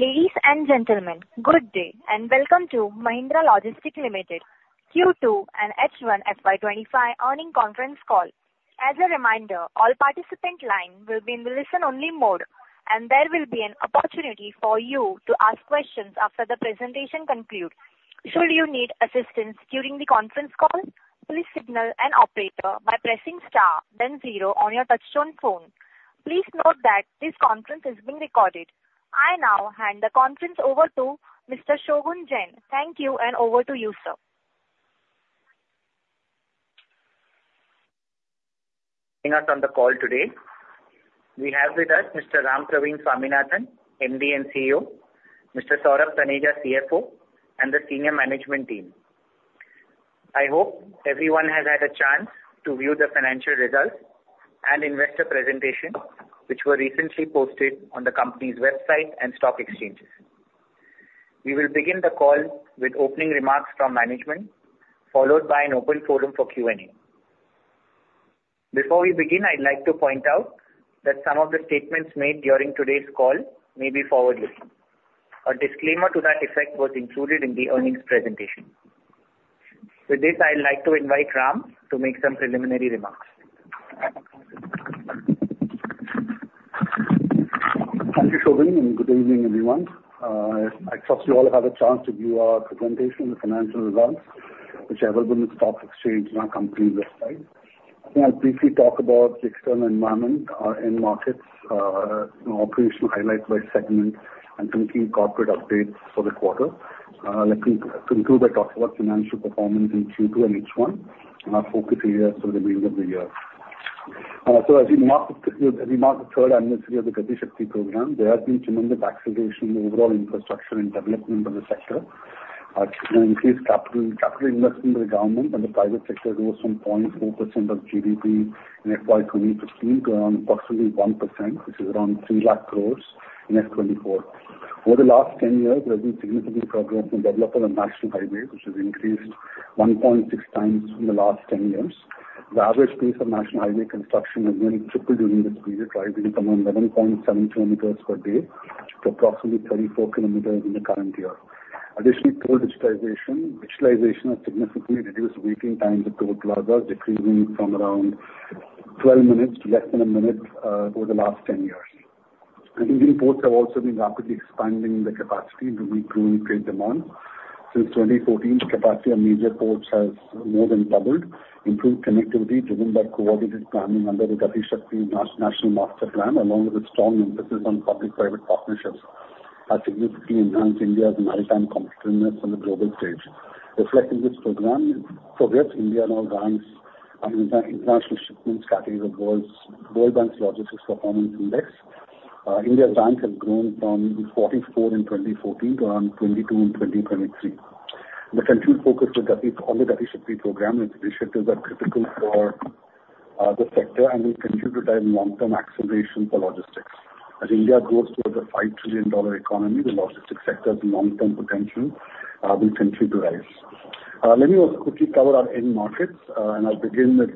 Ladies and gentlemen, good day, and welcome to Mahindra Logistics Limited Q2 and H1 FY 2025 earnings conference call. As a reminder, all participant lines will be in the listen-only mode, and there will be an opportunity for you to ask questions after the presentation concludes. Should you need assistance during the conference call, please signal an operator by pressing star then zero on your touchtone phone. Please note that this conference is being recorded. I now hand the conference over to Mr. Shobhan Seth. Thank you, and over to you, Sir. Us on the call today. We have with us Mr. Rampraveen Swaminathan, MD and CEO, Mr. Saurabh Taneja, CFO, and the senior management team. I hope everyone has had a chance to view the financial results and investor presentation, which were recently posted on the company's website and stock exchanges. We will begin the call with opening remarks from management, followed by an open forum for Q&A. Before we begin, I'd like to point out that some of the statements made during today's call may be forward-looking. A disclaimer to that effect was included in the earnings presentation. With this, I'd like to invite Ram to make some preliminary remarks. Thank you, Shobhan, and good evening, everyone. I trust you all have had a chance to view our presentation and financial results, which are available on the stock exchange and our company website. I'll briefly talk about the external environment, our end markets, operational highlights by segment, and some key corporate updates for the quarter. Let me conclude by talking about financial performance in Q2 and H1, and our focus areas for the remainder of the year. So as we mark the third anniversary of the Gati Shakti Program, there has been tremendous acceleration in the overall infrastructure and development of the sector. Increased capital investment by the government and the private sector rose from 0.4% of GDP in FY 2015 to approximately 1%, which is around 3 lakh crores in FY 2024. Over the last 10 years, there has been significant progress in development of national highway, which has increased 1.6 times in the last 10 years. The average pace of national highway construction has nearly tripled during this period, rising from 11.7 km per day to approximately 34 km in the current year. Additionally, toll digitization, virtualization, has significantly reduced waiting times at toll plazas, decreasing from around 12 minutes to less than a minute over the last 10 years. Indian ports have also been rapidly expanding the capacity to meet growing trade demand. Since 2014, capacity of major ports has more than doubled. Improved connectivity, driven by coordinated planning under the Gati Shakti National Master Plan, along with a strong emphasis on public-private partnerships, has significantly enhanced India's maritime competitiveness on the global stage. Reflecting this program's progress, India now ranks in the International Shipments category of the World Bank's Logistics Performance Index. India's ranks have grown from 44 in 2014 to around 22 in 2023. The continued focus on the Gati Shakti Program initiatives are critical for the sector and will continue to drive long-term acceleration for logistics. As India grows towards a $5 trillion economy, the logistics sector's long-term potential will continue to rise. Let me also quickly cover our end markets, and I'll begin with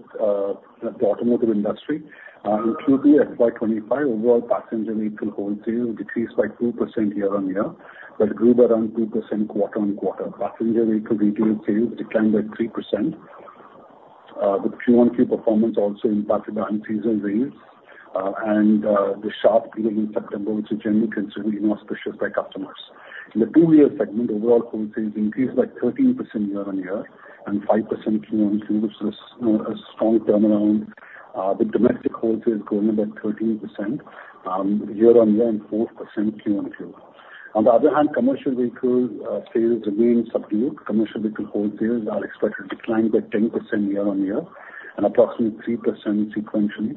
the automotive industry. In Q2 FY 2025, overall passenger vehicle wholesale decreased by 2% year-on-year, but grew around 2% quarter-on-quarter. Passenger vehicle retail sales declined by 3%. With Q1 key performance also impacted by unusual rains, and the Shradh period in September, which is generally considered inauspicious by customers. In the two-wheeler segment, overall wholesale increased by 13% year-on-year and 5% quarter-over-quarter, which is, you know, a strong turnaround. With domestic wholesale growing about 13% year-on-year and 4% Q1 to Q. On the other hand, commercial vehicle sales remain subdued. Commercial vehicle wholesales are expected to decline by 10% year-on-year and approximately 3% sequentially,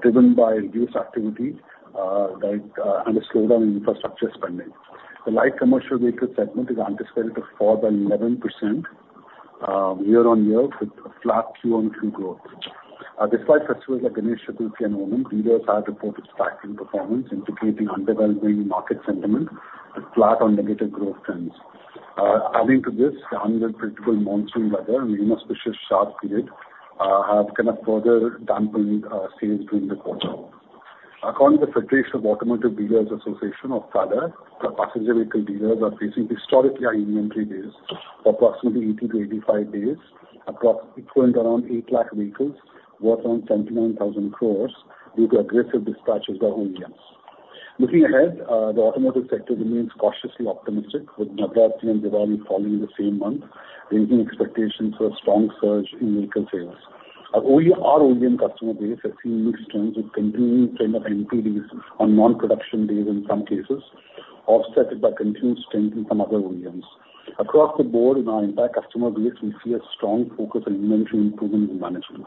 driven by reduced activity, by, and a slowdown in infrastructure spending. The light commercial vehicle segment is anticipated to fall by 11% year-on-year, with a flat Q1Q growth. Despite festivals like Ganesh Chaturthi and Onam, dealers have reported slack in performance, indicating underdeveloped market sentiment with flat or negative growth trends. Adding to this, the unpredictable monsoon weather and inauspicious Shradh period have kind of further dampened sales during the quarter. According to the Federation of Automotive Dealers Association, or FADA, the passenger vehicle dealers are facing historically high inventory days, approximately 80 to 85 days, equivalent around 8 lakh vehicles, worth around 79,000 crores, due to aggressive dispatches by OEMs. Looking ahead, the automotive sector remains cautiously optimistic, with Navratri and Diwali falling in the same month, raising expectations for a strong surge in vehicle sales. Our OEM customer base has seen mixed trends, with continuing trend of empty days on non-production days in some cases, offset by continued strength in some other OEMs. Across the board, in our entire customer base, we see a strong focus on inventory improvement and management.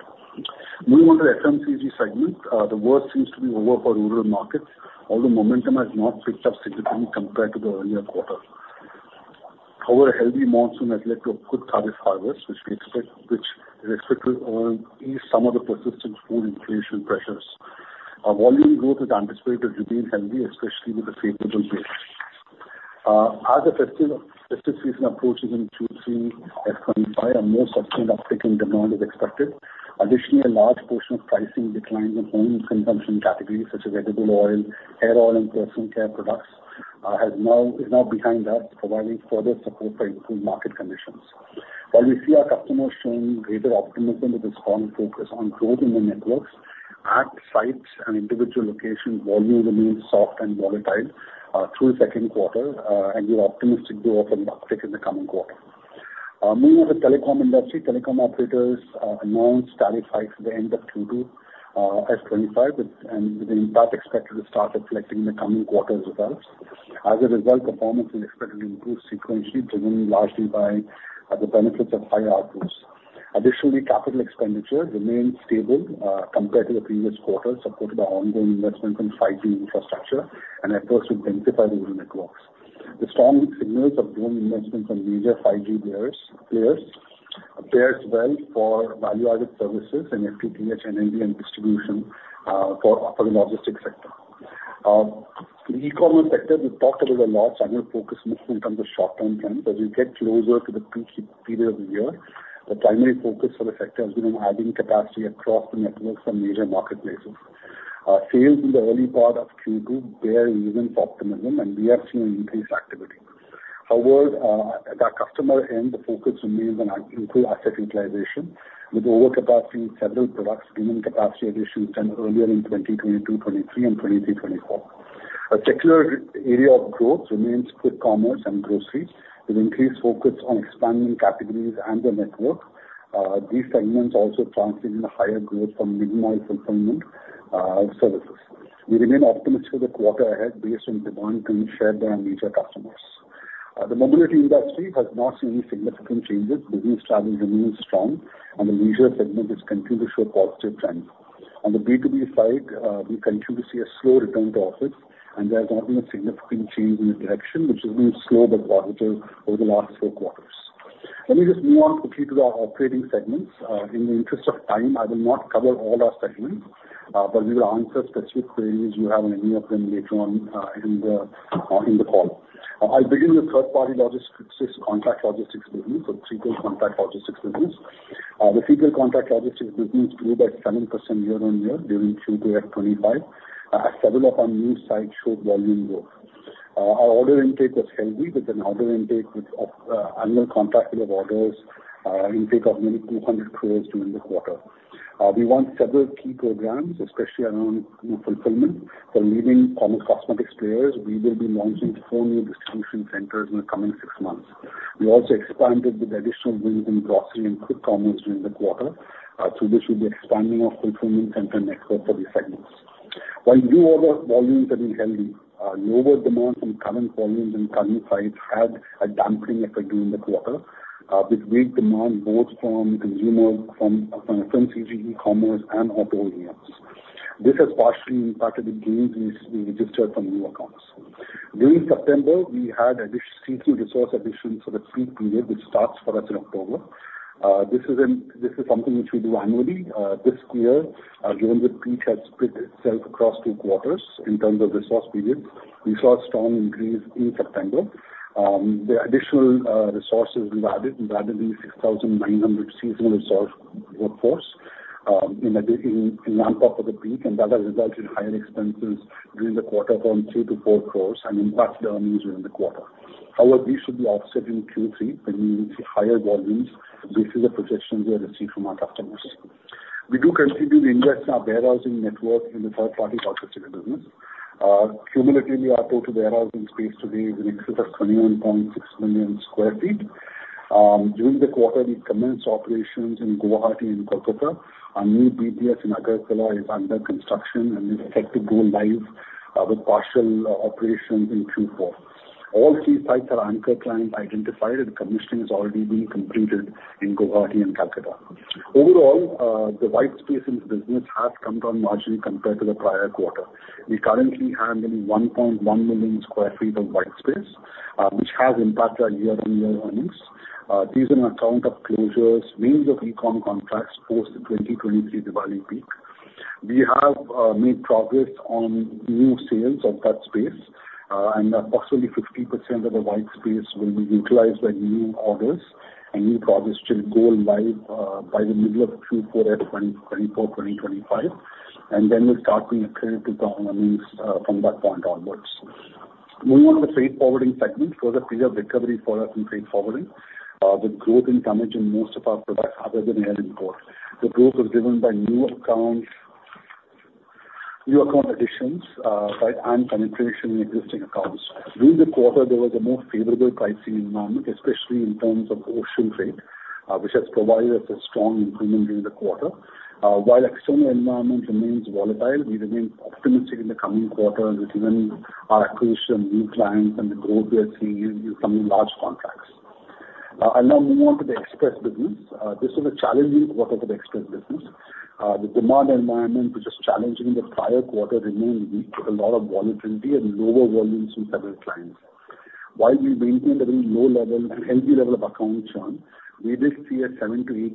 Moving on to FMCG segment, the worst seems to be over for rural markets, although momentum has not picked up significantly compared to the earlier quarter. However, a healthy monsoon has led to a good kharif harvest, which is expected to ease some of the persistent food inflation pressures. Our volume growth is anticipated to remain healthy, especially with the favorable base. As the festive season approaches in Q3 FY 2025, a more sustained uptick in demand is expected. Additionally, a large portion of pricing declines in home consumption categories, such as edible oil, hair oil and personal care products, is now behind us, providing further support for improved market conditions. While we see our customers showing greater optimism with a strong focus on growth in their networks, at sites and individual locations, volumes remain soft and volatile through second quarter, and we're optimistic about an uptick in the coming quarter. Moving on to the telecom industry, telecom operators announced tariff hikes at the end of Q2 FY 2025, with an impact expected to start reflecting in the coming quarters as well. As a result, performance is expected to improve sequentially, driven largely by the benefits of higher ARPU. Additionally, capital expenditure remains stable compared to the previous quarter, supported by ongoing investment in 5G infrastructure and efforts to densify the rural networks. The strong signals of growing investment from major 5G bearers, players, fares well for value-added services and FTTH, NNI and distribution for the logistics sector. The e-commerce sector, we've talked about a lot and we're focused mostly in terms of short-term trends. As we get closer to the peak period of the year, the primary focus for the sector has been on adding capacity across the network from major marketplaces. Sales in the early part of Q2 bear even optimism, and we are seeing increased activity. However, at the customer end, the focus remains on improved asset utilization, with overcapacity in several products given capacity additions done earlier in 2022, 2023, and 2024. A particular area of growth remains quick commerce and groceries, with increased focus on expanding categories and the network. These segments also translate into higher growth from minimized fulfillment services. We remain optimistic for the quarter ahead based on demand being shared by our major customers. The mobility industry has not seen any significant changes. Business travel remains strong, and the leisure segment is continuing to show positive trends. On the B2B side, we continue to see a slow return to office, and there has not been a significant change in the direction, which has been slow but positive over the last four quarters. Let me just move on quickly to our operating segments. In the interest of time, I will not cover all our segments, but we will answer specific queries you have on any of them later on, in the call. I'll begin with third-party logistics, contract logistics business, or third-party contract logistics business. The third-party contract logistics business grew by 7% year-on-year during Q2F25, as several of our new sites showed volume growth. Our order intake was healthy, with an order intake which of annual contracted of orders intake of nearly 200 crores during the quarter. We won several key programs, especially around, you know, fulfillment. For leading cosmetics players, we will be launching four new distribution centers in the coming six months. We also expanded with additional wins in grocery and quick commerce during the quarter, through this with the expanding of fulfillment center network for these segments. While new order volumes have been healthy, lower demand from current volumes and current sites had a damping effect during the quarter, with weak demand both from consumers, from e-commerce and auto OEMs. This has partially impacted the gains we registered from new accounts. During September, we had additional seasonal resource additions for the peak period, which starts for us in October. This is something which we do annually. This year, given that peak has split itself across two quarters in terms of resource period, we saw a strong increase in September. The additional resources we've added, 6,900 seasonal resource workforce in ramp up of the peak, and that has resulted in higher expenses during the quarter from 3 crore-4 crore and impact earnings during the quarter. However, these should be offset in Q3 when we will see higher volumes based on the projections we have received from our customers. We do continue to invest in our warehousing network in the third-party logistics business. Cumulatively, our total warehousing space today is in excess of 21.6 million sq ft. During the quarter, we commenced operations in Guwahati and Kolkata. Our new BTS in Agartala is under construction and is set to go live with partial operations in Q4. All three sites are anchor client identified, and commissioning has already been completed in Guwahati and Kolkata. Overall, the white space in this business has come down largely compared to the prior quarter. We currently handle 1.1 million sq ft of white space, which has impacted our year-on-year earnings. These are on account of closures, wins of e-com contracts post the 2023 Diwali peak. We have made progress on new sales of that space, and approximately 50% of the white space will be utilized by new orders and new progress should go live by the middle of Q4 FY 2024-2025, and then we'll start to accrue to the earnings from that point onwards. Moving on to the freight forwarding segment, it was a period of recovery for us in freight forwarding, with growth in tonnage in most of our products other than air import. The growth was driven by new accounts, new account additions, and penetration in existing accounts. During the quarter, there was a more favorable pricing environment, especially in terms of ocean freight, which has provided us a strong improvement during the quarter. While external environment remains volatile, we remain optimistic in the coming quarter, given our acquisition of new clients and the growth we are seeing in some large contracts. I'll now move on to the express business. This was a challenging quarter for the express business. The demand environment, which was challenging in the prior quarter, remained weak, with a lot of volatility and lower volumes from several clients. While we maintained a very low level and healthy level of account churn, we did see a 7-8%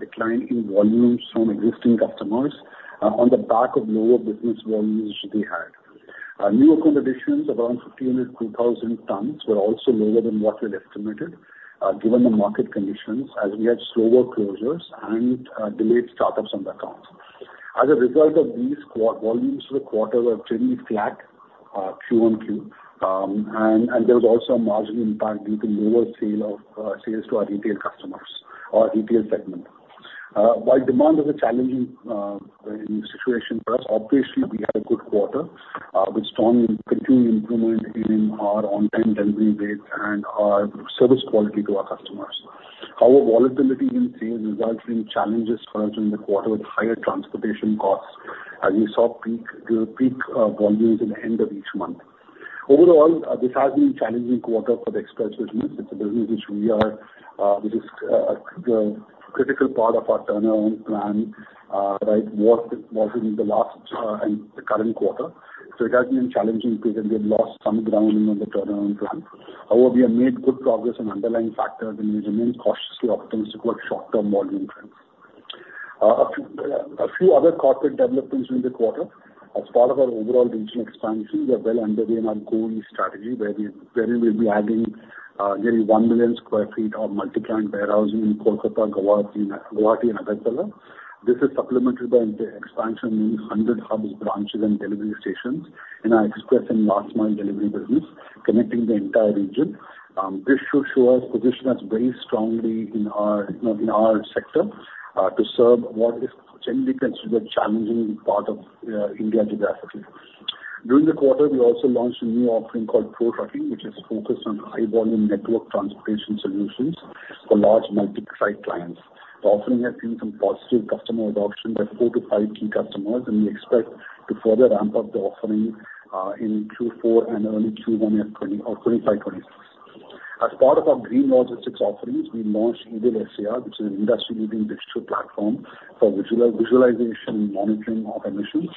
decline in volumes from existing customers, on the back of lower business volumes they had. New acquisitions around 15-2000 tons were also lower than what we had estimated, given the market conditions as we had slower closures and delayed startups on accounts. As a result of these volumes for the quarter were generally flat, Q-on-Q, and there was also a marginal impact due to lower sales to our retail customers, our retail segment. While demand is a challenging situation for us, obviously we had a good quarter, with strong continued improvement in our on-time delivery dates and our service quality to our customers. However, volatility in sales resulted in challenges for us in the quarter with higher transportation costs, as we saw peak volumes in the end of each month. Overall, this has been a challenging quarter for the express business. It's a business which is a critical part of our turnaround plan, right, both in the last and the current quarter. So it has been challenging because we have lost some ground in the turnaround plan. However, we have made good progress on underlying factors, and we remain cautiously optimistic about short-term volume trends. A few other corporate developments in the quarter. As part of our overall regional expansion, we are well underway in our Go East strategy, wherein we'll be adding nearly one million sq ft of multi-client warehousing in Kolkata, Guwahati, and Nagpur. This is supplemented by the expansion in 100 hub branches and delivery stations in our express and last mile delivery business, connecting the entire region. This should surely position us very strongly in our sector to serve what is generally considered a challenging part of India geographically. During the quarter, we also launched a new offering called ProTrucking, which is focused on high volume network transportation solutions for large multi-site clients. The offering has seen some positive customer adoption by four to five key customers, and we expect to further ramp up the offering in Q4 and early Q1 of 2025, 2026. As part of our green logistics offerings, we launched Eagle SCR, which is an industry-leading digital platform for visualization and monitoring of emissions,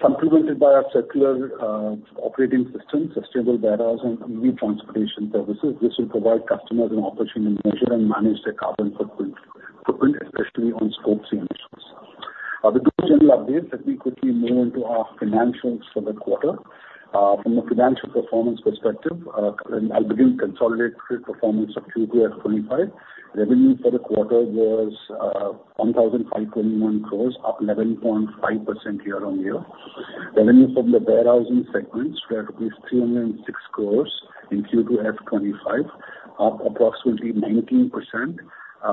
complemented by our circular operating system, sustainable warehouse, and new transportation services. This will provide customers an opportunity to measure and manage their carbon footprint, especially on Scope 3 emissions. With those general updates, let me quickly move into our financials for the quarter. From a financial performance perspective, and I'll begin consolidated performance of Q2 FY 2025. Revenue for the quarter was 1,521 crores, up 11.5% yearr-on-year. Revenue from the warehousing segments were 306 crores in Q2 FY 2025, up approximately 19%,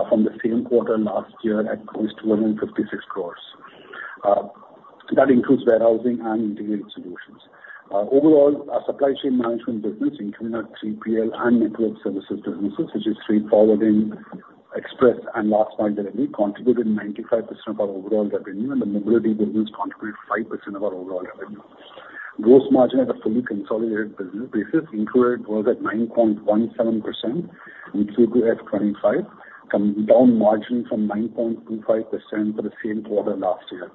from the same quarter last year at 256 crores. That includes warehousing and integrated solutions. Overall, our supply chain management business, including our 3PL and network services businesses, such as freight forwarding, express, and last mile delivery, contributed 95% of our overall revenue, and the mobility business contributed 5% of our overall revenue. Gross margin at a fully consolidated business basis including was at 9.17% in Q2 FY 2025, coming down margin from 9.25% for the same quarter last year.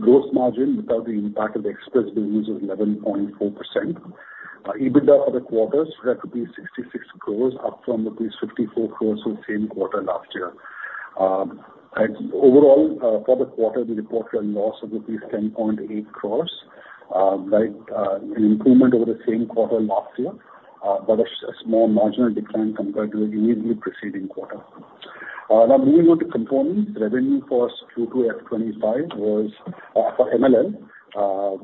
Gross margin without the impact of the express business was 11.4%. EBITDA for the quarter was 66 crores, up from 54 crores from the same quarter last year. And overall, for the quarter, we reported a loss of rupees 10.8 crores, right, an improvement over the same quarter last year, but a small marginal decline compared to the immediately preceding quarter. Now moving on to components. Revenue for Q2 F twenty-five was for MLL,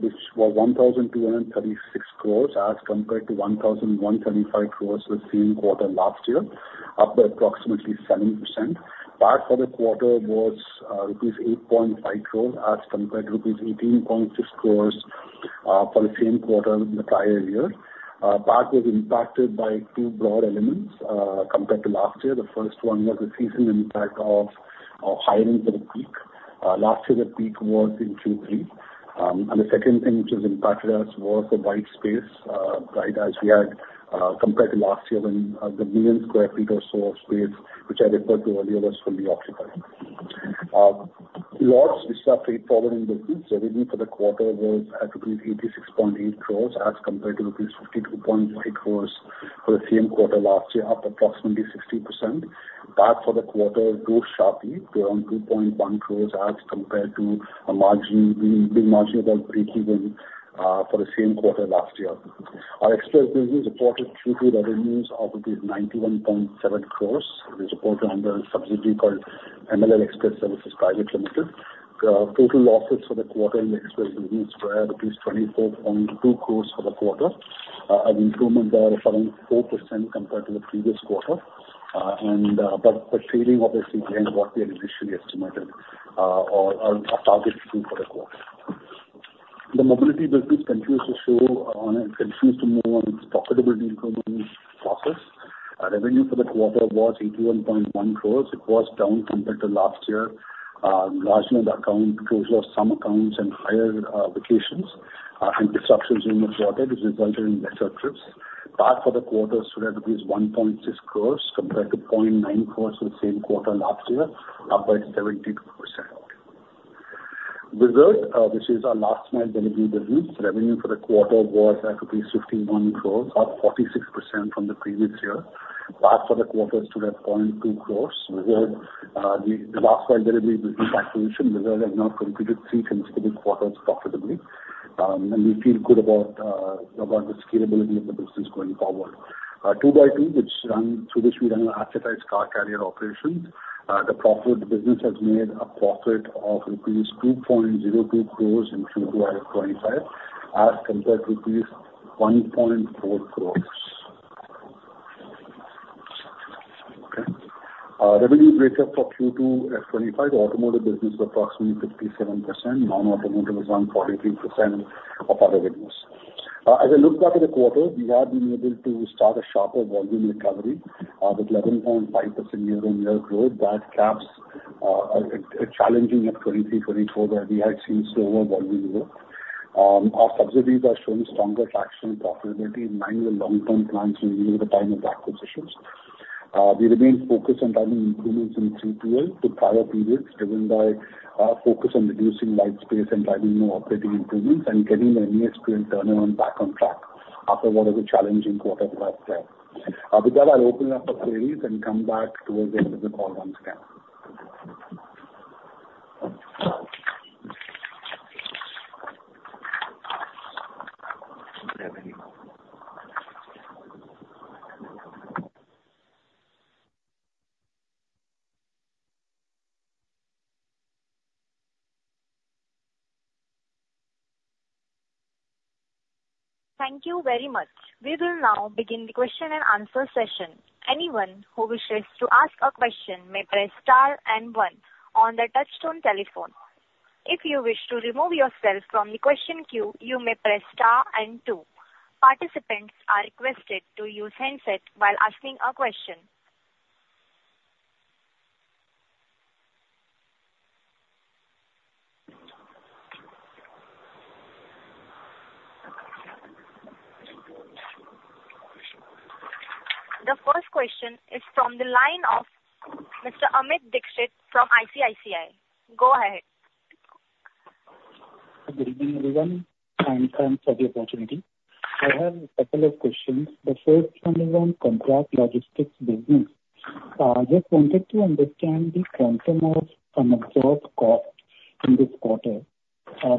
which was 1,236 crores, as compared to 1,135 crores the same quarter last year, up by approximately 7%. PAT for the quarter was rupees 8.5 crores, as compared to rupees 18.6 crores for the same quarter in the prior year. PAT was impacted by two broad elements compared to last year. The first one was the seasonal impact of hiring for the peak. Last year, the peak was in Q3. And the second thing which has impacted us was the white space, right, as we had, compared to last year, when, the 1 million sq ft or so of space, which I referred to earlier, was fully occupied. Loss in our freight forwarding business, revenue for the quarter was at rupees 86.8 crores, as compared to rupees 52.5 crores for the same quarter last year, up approximately 60%. PAT for the quarter grew sharply to around 2.1 crores as compared to a margin about breakeven, for the same quarter last year. Our express business reported Q2 revenues of 91.7 crores. We reported under a subsidiary called MLL Express Services Private Limited. Total losses for the quarter in the express business were 24.2 crores for the quarter, an improvement there of around 4% compared to the previous quarter, but the trailing obviously behind what we had initially estimated, or our target for the quarter. The mobility business continues to move on its profitability improvement process. Revenue for the quarter was 81.1 crores. It was down compared to last year, largely on the account closure of some accounts and higher vacations, and disruptions in the quarter, which resulted in lesser trips. PAT for the quarter stood at 1.6 crores compared to 0.9 crores for the same quarter last year, up by 70%. Whizzard, which is our last mile delivery business, revenue for the quarter was rupees 51 crores, up 46% from the previous year. Last quarter, losses to that point INR 2 crores, the Rivigo acquisition have now completed three consecutive quarters profitably. And we feel good about the scalability of the business going forward. 2x2, which runs our automotive car carrier operations. The business has made a profit of rupees 2.02 crores in Q2 FY 2025, as compared to rupees 1.4 crores. Okay. Revenue breakup for Q2 FY 2025, the automotive business was approximately 57%, non-automotive is around 43% of our revenues. As I look back at the quarter, we have been able to start a sharper volume recovery, with 11.5% year-on-year growth. That caps a challenging 2023-2024, where we had seen slower volume growth. Our subsidiaries are showing stronger traction and profitability, managing the long-term plans during the time of acquisitions. We remain focused on driving improvements in CPL to prior periods, driven by our focus on reducing white space and driving more operating improvements and getting the MES experience turnaround back on track after what is a challenging quarter last year. With that, I'll open up for queries and come back towards the end of the call once again. Thank you very much. We will now begin the question and answer session. Anyone who wishes to ask a question may press star and one on their touchtone telephone. If you wish to remove yourself from the question queue, you may press star and two. Participants are requested to use handset while asking a question. The first question is from the line of Mr. Amit Dixit from ICICI. Go ahead. Good evening, everyone, and thanks for the opportunity. I have a couple of questions. The first one is on contract logistics business. I just wanted to understand the quantum of unabsorbed cost in this quarter,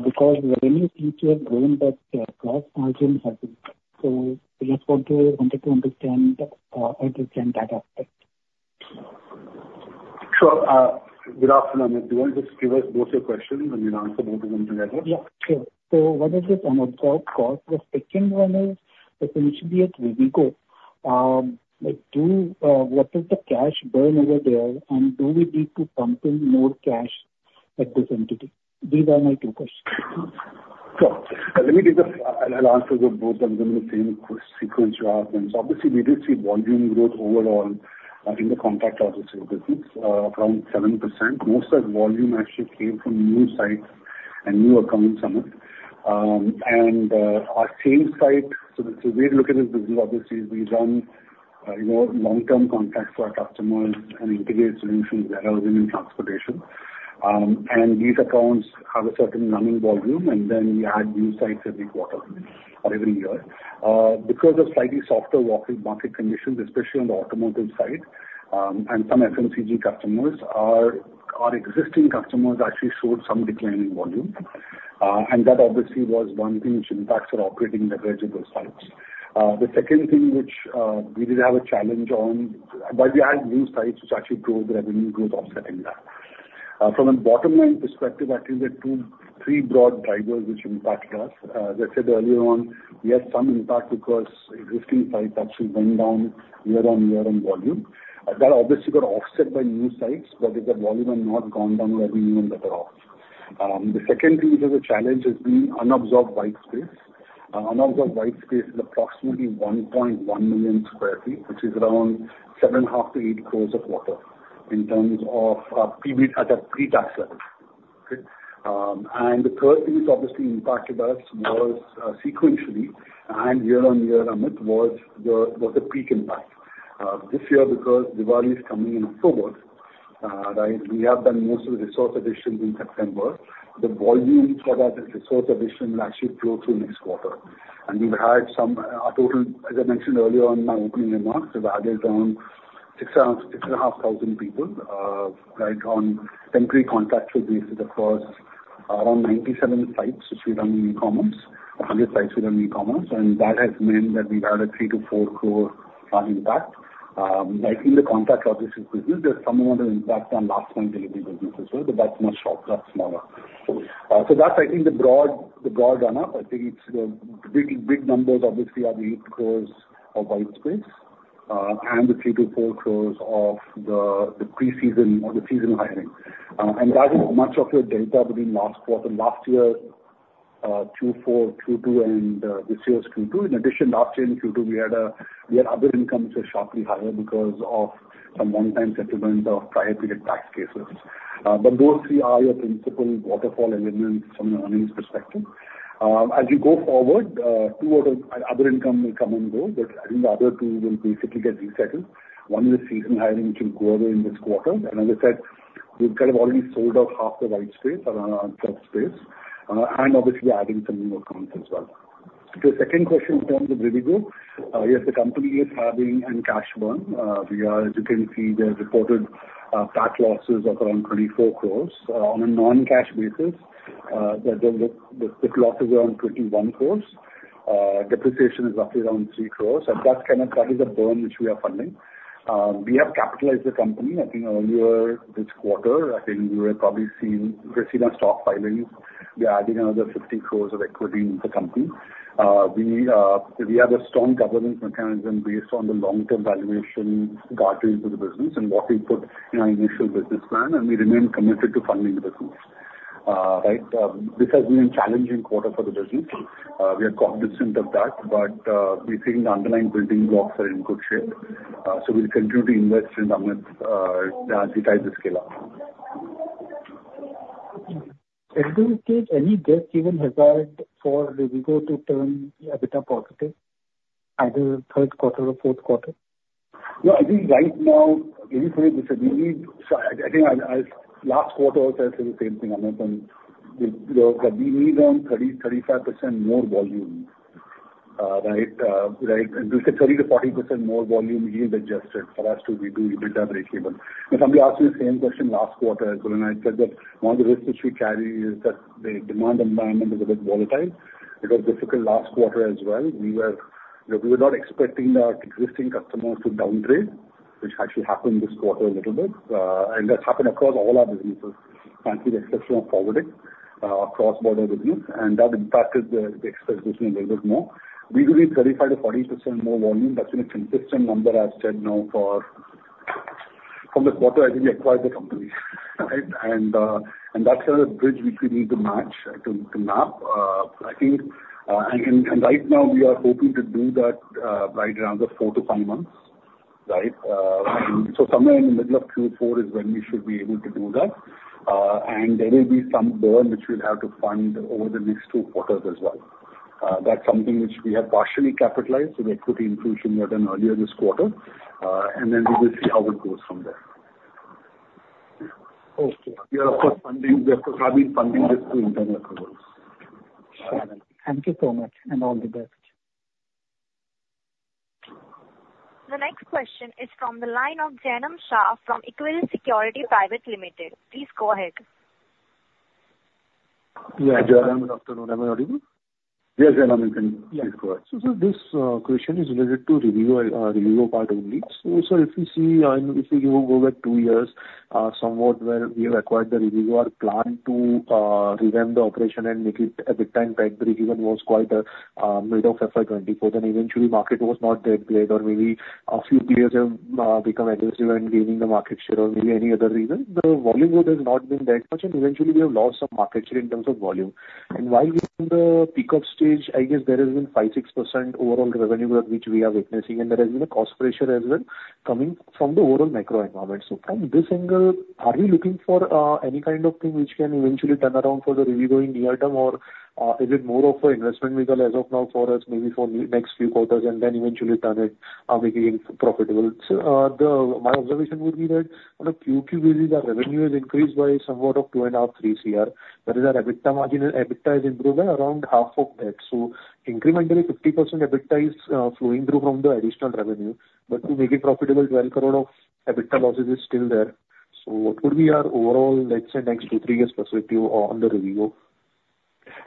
because revenue seems to have grown, but the gross margin has been. So I just wanted to understand that aspect. Sure. Good afternoon, Amit. Do you want to just give us both your questions, and we'll answer both of them together? Yeah, sure. So one is this on absorbed cost. The second one is, the potential at Rivigo. What is the cash burn over there, and do we need to pump in more cash at this entity? These are my two questions. Sure. Let me take this. I'll answer them both of them in the same sequence you asked them. So obviously, we did see volume growth overall in the contract logistics business around 7%. Most of the volume actually came from new sites and new accounts, Amit. And our same site, so the way to look at this business, obviously, is we run you know long-term contracts for our customers and integrated solutions wherever we need transportation. And these accounts have a certain running volume, and then we add new sites every quarter or every year. Because of slightly softer market conditions, especially on the automotive side, and some FMCG customers, our existing customers actually showed some declining volume. And that obviously was one thing which impacts our operating leverage at those sites. The second thing which we did have a challenge on, but we added new sites which actually drove the revenue growth offsetting that. From a bottom line perspective, I think the two, three broad drivers which impacted us. As I said earlier on, we had some impact because existing sites actually went down year-on-year on volume. That obviously got offset by new sites, but if the volume had not gone down, we were even better off. The second thing which is a challenge has been unabsorbed white space. Unabsorbed white space is approximately 1.1 million sq ft, which is around 7.5-8 crores per quarter, in terms of pre-tax level. Okay. The third thing which obviously impacted us was sequentially and year-on-year, Amit, the peak impact. This year, because Diwali is coming in October, right, we have done most of the resource additions in September. The volume for that resource addition will actually flow through next quarter. We've had some, a total, as I mentioned earlier on in my opening remarks, we've added around 6,500 people, right, on temporary contractual basis across around 97 sites, which we run in e-commerce, 100 sites we run in e-commerce. That has meant that we've had a 3-4 crore impact, right, in the contract logistics business. There's some amount of impact on last mile delivery business as well, but that's much smaller, that's smaller. So that's, I think, the broad run-up. I think it's the big, big numbers obviously are the eight crores of white space, and the three to four crores of the, the pre-season or the seasonal hiring. And that is much of the delta between last quarter, last year, Q4, Q2, and, this year's Q2. In addition, last year in Q2, we had, we had other incomes which were sharply higher because of some one-time settlement of prior period tax cases. But those three are your principal waterfall elements from an earnings perspective. As you go forward, two out of other income will come and go, but I think the other two will basically get resettled. One is the seasonal hiring, which will go away in this quarter. And as I said, we've kind of already sold out half the white space around our current space. And obviously adding some new accounts as well. The second question in terms of Rivigo, yes, the company is having a cash burn. We are, as you can see, they have reported PAT losses of around 24 crores. On a non-cash basis, the losses are around 21 crores. Depreciation is roughly around three crores, and that's kind of the burn which we are funding. We have capitalized the company, I think, earlier this quarter. I think you would have probably seen, received our stock filings. We are adding another 50 crores of equity in the company. We have a strong governance mechanism based on the long-term valuation into the business and what we put in our initial business plan, and we remain committed to funding the business. Right, this has been a challenging quarter for the business. We are cognizant of that, but we think the underlying building blocks are in good shape, so we'll continue to invest in Amit, as he drives the scale up. Do you take any best given regard for Rivigo to turn EBITDA positive, either third quarter or fourth quarter? No, I think right now, it is very difficult. We need. So I think last quarter also I said the same thing, Amit, and we, you know, we need around 30%-35% more volume, right? Right, between 30%-40% more volume being digested for us to be, do EBITDA breakeven. And somebody asked me the same question last quarter as well, and I said that one of the risks which we carry is that the demand environment is a bit volatile. It was difficult last quarter as well. We were not expecting our existing customers to downgrade, which actually happened this quarter a little bit. And that's happened across all our businesses, frankly, with the exception of Forwarding, our cross-border business, and that impacted the express business a little bit more. We will need 35%-40% more volume. That's been a consistent number I've said now from the quarter I think we acquired the company, right? And that's a bridge which we need to match to map. I think and right now we are hoping to do that by around four to five months, right? So somewhere in the middle of Q4 is when we should be able to do that. And there will be some burn which we'll have to fund over the next two quarters as well. That's something which we have partially capitalized, so we have put the infusion we had done earlier this quarter, and then we will see how it goes from there. Okay. We are, of course, funding this through internal covers. Thank you so much, and all the best. The next question is from the line of Janam Shah from Equirus Securities Private Limited. Please go ahead. Yeah, Janam, good afternoon. Am I audible? Yes, Janam, you can. Please go ahead. This question is related to Rivigo part only. If you see, if you go back two years, somewhat where we acquired the Rivigo, our plan to revamp the operation and make it. At the time, right, Rivigo was quite mid of FY 2024, then eventually market was not that great or maybe a few players have become aggressive in gaining the market share or maybe any other reason. The volume growth has not been that much, and eventually we have lost some market share in terms of volume. While we are in the pickup stage, I guess there has been 5-6% overall revenue growth, which we are witnessing, and there has been a cost pressure as well coming from the overall macro environment. So from this angle, are we looking for any kind of thing which can eventually turn around for the Rivigo in near term, or is it more of a investment vehicle as of now for us, maybe for next few quarters, and then eventually turn it again, profitable? My observation would be that on a Q2 basis, our revenue has increased by somewhat of 2.5-3 CR. But our EBITDA margin, EBITDA has improved by around half of that. So incrementally, 50% EBITDA is flowing through from the additional revenue. But to make it profitable, twelve crore of EBITDA losses is still there. So what would be our overall, let's say, next two, three years perspective on the Rivigo?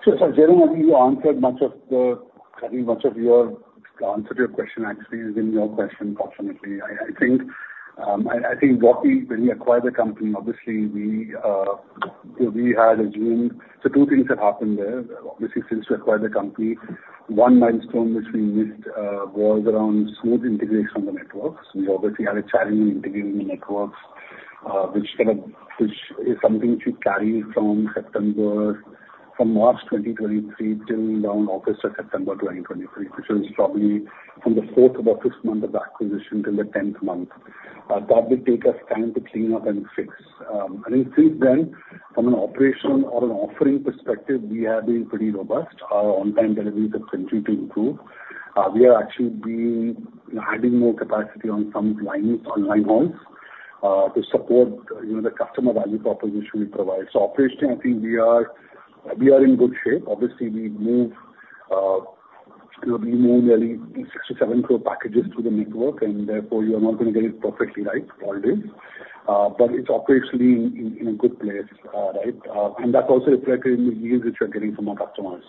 So, Janam, I think much of your answer to your question actually is in your question, fortunately. I think what we, when we acquired the company, obviously, we had assumed. So two things have happened there. Obviously, since we acquired the company, one milestone which we missed was around smooth integration of the networks. We obviously had a challenge integrating the networks, which is something which we carried from March 2023 till around August or September 2023, which was probably from the fourth or the fifth month of acquisition till the tenth month. That will take us time to clean up and fix. And since then, from an operational or an offering perspective, we have been pretty robust. Our on-time deliveries are continuing to improve. We are actually adding more capacity on some lines, on line hauls, to support you know the customer value proposition we provide. So operationally, I think we are in good shape. Obviously, you know we move nearly six to seven crore packages through the network, and therefore, you are not going to get it perfectly right all days. But it's operationally in a good place, right? And that's also reflected in the yields which we're getting from our customers.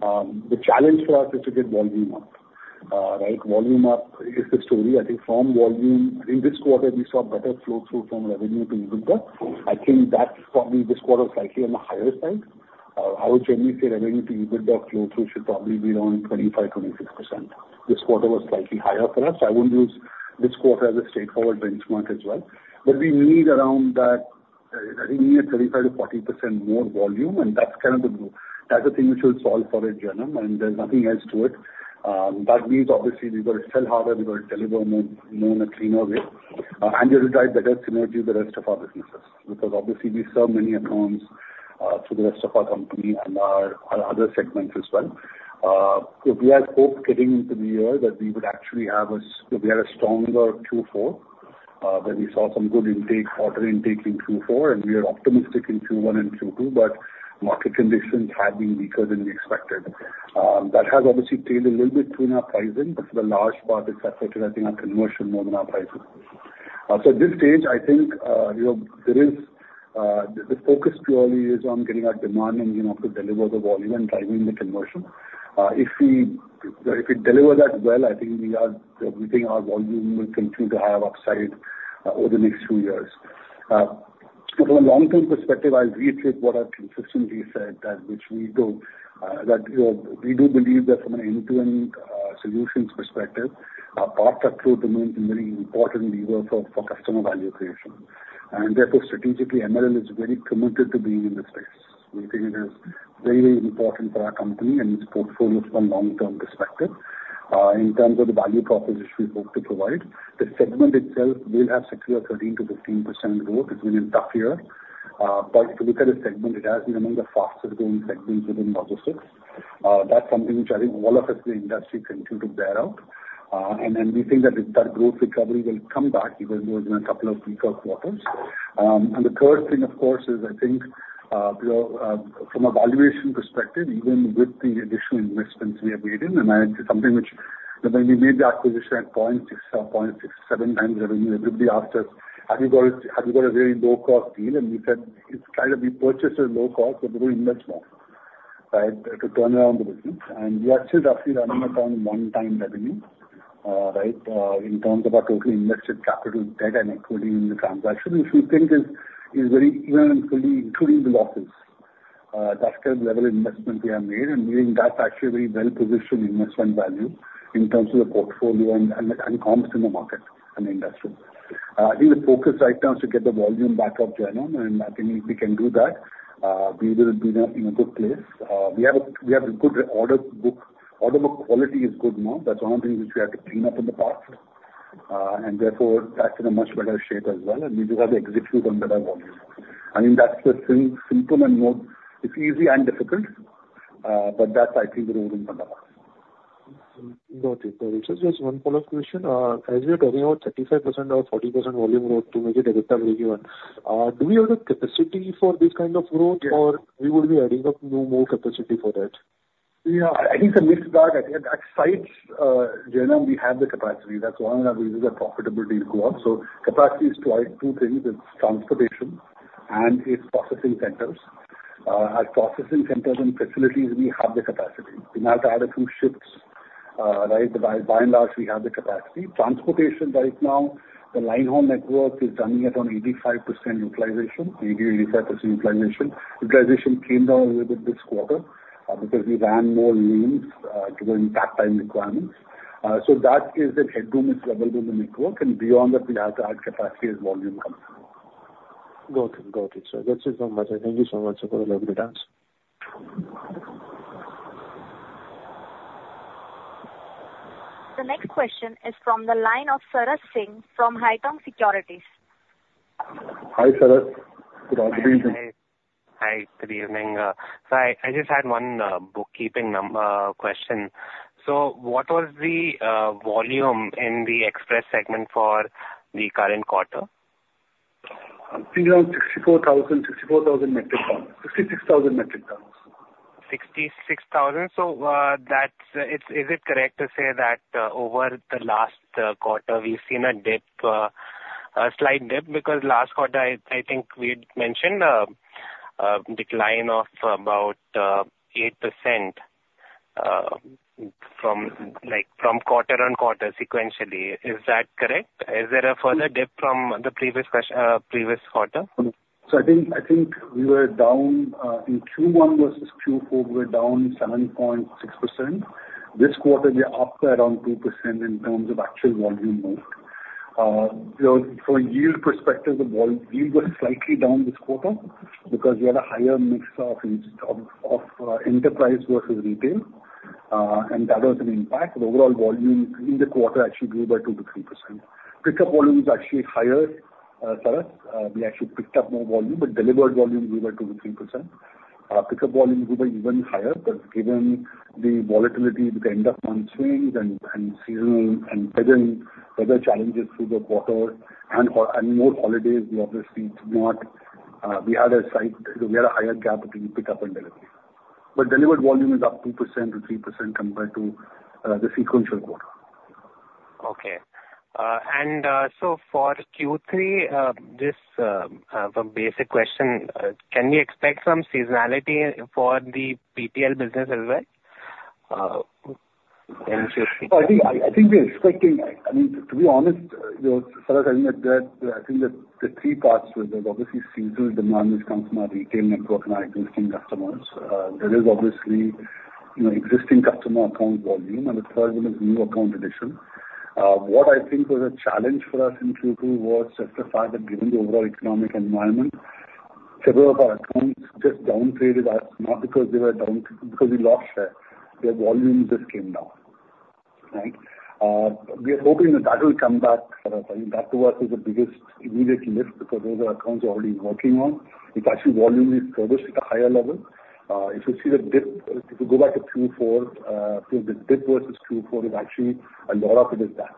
The challenge for us is to get volume up. Right, volume up is the story. I think from volume, in this quarter, we saw better flow-through from revenue to EBITDA. I think that's probably this quarter slightly on the higher side. I would generally say revenue to EBITDA flow-through should probably be around 25%-26%. This quarter was slightly higher for us. I wouldn't use this quarter as a straightforward benchmark as well, but we need around that. I think we need 35%-40% more volume, and that's kind of the, that's the thing which will solve for it, Janam, and there's nothing else to it. That means obviously we've got to sell harder, we've got to deliver more in a cleaner way, and we will drive better synergy with the rest of our businesses, because obviously we serve many accounts through the rest of our company and our other segments as well. So we had hoped getting into the year that we would actually have a stronger Q4. Where we saw some good intake, order intake in Q4, and we are optimistic in Q1 and Q2, but market conditions have been weaker than we expected. That has obviously tailed a little bit through in our pricing, but for the large part, it's affected, I think, our conversion more than our pricing. So at this stage, I think, you know, there is the focus purely is on getting our demand and, you know, to deliver the volume and driving the conversion. If we, if we deliver that well, I think we are, we think our volume will continue to higher upside over the next two years. From a long-term perspective, I'll reiterate what I've consistently said, that which we do, that, you know, we do believe that from an end-to-end solutions perspective, our part truck load remains a very important lever for, for customer value creation. And therefore, strategically, MRL is very committed to being in this space. We think it is very, very important for our company and its portfolio from long-term perspective. In terms of the value proposition we hope to provide, the segment itself will have secular 13-15% growth. It's been a tough year. But if you look at the segment, it has been among the fastest growing segments within logistics. That's something which I think all of us in the industry can agree to bear out. And then we think that the, that growth recovery will come back even more in a couple of weaker quarters. And the third thing, of course, is I think, you know, from a valuation perspective, even with the additional investments we have made in, and it's something which, when we made the acquisition at point six or point six seven times revenue, everybody asked us, "Have you got a very low-cost deal?" And we said, "It's kind of we purchased a low cost, but we will invest more," right? To turn around the business. And we're actually running on one time revenue, right? In terms of our total invested capital, debt, and equity in the transaction, which we think is very even including the losses. That's the level of investment we have made, and we think that's actually a very well-positioned investment value in terms of the portfolio and comps in the market and the industry. I think the focus right now is to get the volume back up, and I think if we can do that, we will be in a good place. We have a good order book. Order book quality is good now. That's one of the things which we had to clean up in the past. And therefore, that's in a much better shape as well, and we just have to execute on better volume. I mean, that's the simple and more. It's easy and difficult, but that's I think the road in front of us. Got it. Got it. Sir, just one follow-up question. As you're talking about 35% or 40% volume growth, do we have the capacity for this kind of growth? Yeah. or we will be adding up new, more capacity for that? Yeah. I think a mix of that. I think at sites, generally, we have the capacity. That's one of the reasons our profitability grew up. So capacity is two things: It's transportation and it's processing centers. At processing centers and facilities, we have the capacity. We might add a few shifts, right, but by and large, we have the capacity. Transportation right now, the line haul network is running at around 85% utilization, 85% utilization. Utilization came down a little bit this quarter, because we ran more lanes, during that time requirement. So that is the headroom is available in the network, and beyond that, we'll have to add capacity as volume comes. Got it. Got it, sir. Thank you so much. I thank you so much for the lovely answer. The next question is from the line of Sharad Singh from Haitong Securities. Hi, Sharad. Good afternoon. Hi. Hi, good evening. So I just had one bookkeeping number question. So what was the volume in the express segment for the current quarter? I think around 64,000, 64,000 metric tons. 66,000 metric tons. Sixty-six thousand. So, that's... Is it correct to say that over the last quarter, we've seen a dip, a slight dip? Because last quarter, I think we'd mentioned a decline of about 8%, from, like, from quarter on quarter, sequentially. Is that correct? Is there a further dip from the previous quarter? I think we were down in Q1 vs. Q4, we were down 7.6%. This quarter, we are up around 2% in terms of actual volume moved. So from a yield perspective, the yield was slightly down this quarter because we had a higher mix of enterprise versus retail, and that was an impact. The overall volume in the quarter actually grew by 2%-3%. Pickup volume is actually higher, Sarath. We actually picked up more volume, but delivered volume grew by 2%-3%. Pickup volume grew by even higher, but given the volatility, the end of month swings and seasonal and weather challenges through the quarter and more holidays, we obviously did not. We had a higher gap between pickup and delivery, but delivered volume is up 2%-3% compared to the sequential quarter. Okay. And, so for Q3, just, a basic question, can we expect some seasonality for the PTL business as well? In Q3. I think we're expecting. I mean, to be honest, you know, Sarath, I think that the three parts with the obviously seasonal demand, which comes from our retail network and our existing customers, there is obviously, you know, existing customer account volume, and the third one is new account addition. What I think was a challenge for us in Q2 was just the fact that given the overall economic environment, several of our accounts just down traded us, not because they were down, because we lost them. Their volumes just came down, right? We are hoping that that will come back, that was the biggest immediate lift because those are accounts we're already working on. It's actually volume we service at a higher level. If you see the dip, if you go back to Q4, so the dip versus Q4 is actually a lot of it is that.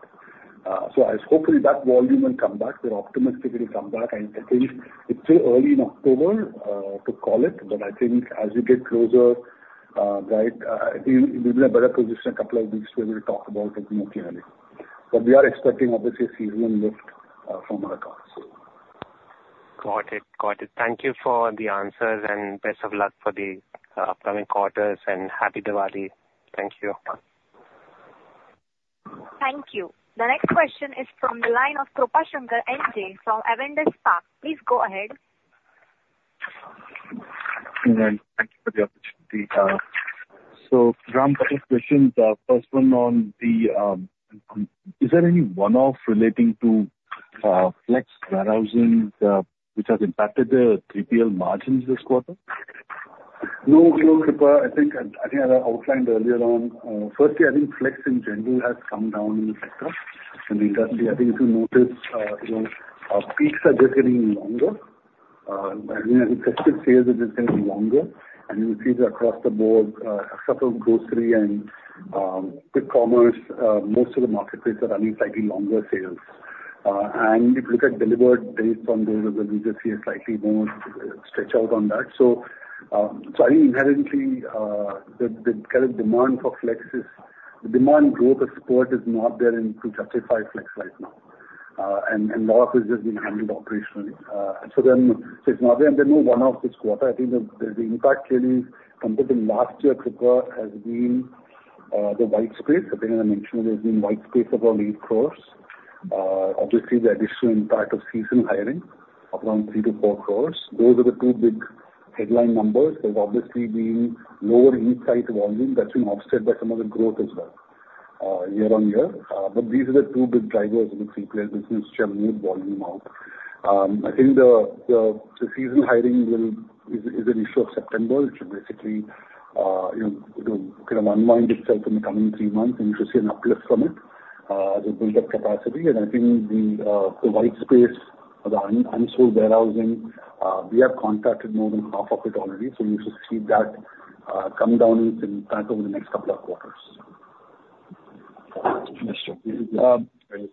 So I hopefully that volume will come back. We're optimistic it will come back, and I think it's still early in October to call it, but I think as we get closer, we'll be in a better position in a couple of weeks when we talk about it more clearly. But we are expecting obviously a seasonal lift from our accounts. Got it. Got it. Thank you for the answers, and best of luck for the upcoming quarters, and Happy Diwali. Thank you. Thank you. The next question is from the line of Krupashankar NJ from Avendus Capital. Please go ahead. And thank you for the opportunity. So Ram, couple of questions. First one on the: is there any one-off relating to flex warehousing which has impacted the 3PL margins this quarter? No, no, Krupa. I think I outlined earlier on. Firstly, I think flex in general has come down in the sector, and interestingly, I think if you notice, you know, our peaks are just getting longer. I mean, I think festive sales are just getting longer, and you will see that across the board, except on grocery and quick commerce, most of the marketplace are running slightly longer sales. And if you look at delivered days from those, you just see a slightly more stretch out on that. So, I think inherently, the current demand for flex is. The demand growth as support is not there to justify flex right now, and a lot of it has just been handled operationally. So it's not there, and there's no one-off this quarter. I think the impact really compared to last year, Krupa, has been the white space. I think I mentioned there's been white space of around 8 crore. Obviously, the additional impact of seasonal hiring of around 3 crore to 4 crore. Those are the two big headline numbers. There's obviously been lower each site volume that's been offset by some of the growth as well, yearr-on-year. But these are the two big drivers of the 3PL business, churn volume out. I think the seasonal hiring is an issue of September, which should basically you know kind of unwind itself in the coming three months, and we should see an uplift from it as we build up capacity. And I think the white space or the unsold warehousing, we have contracted more than half of it already, so we should see that come down in kind of over the next couple of quarters. Understood.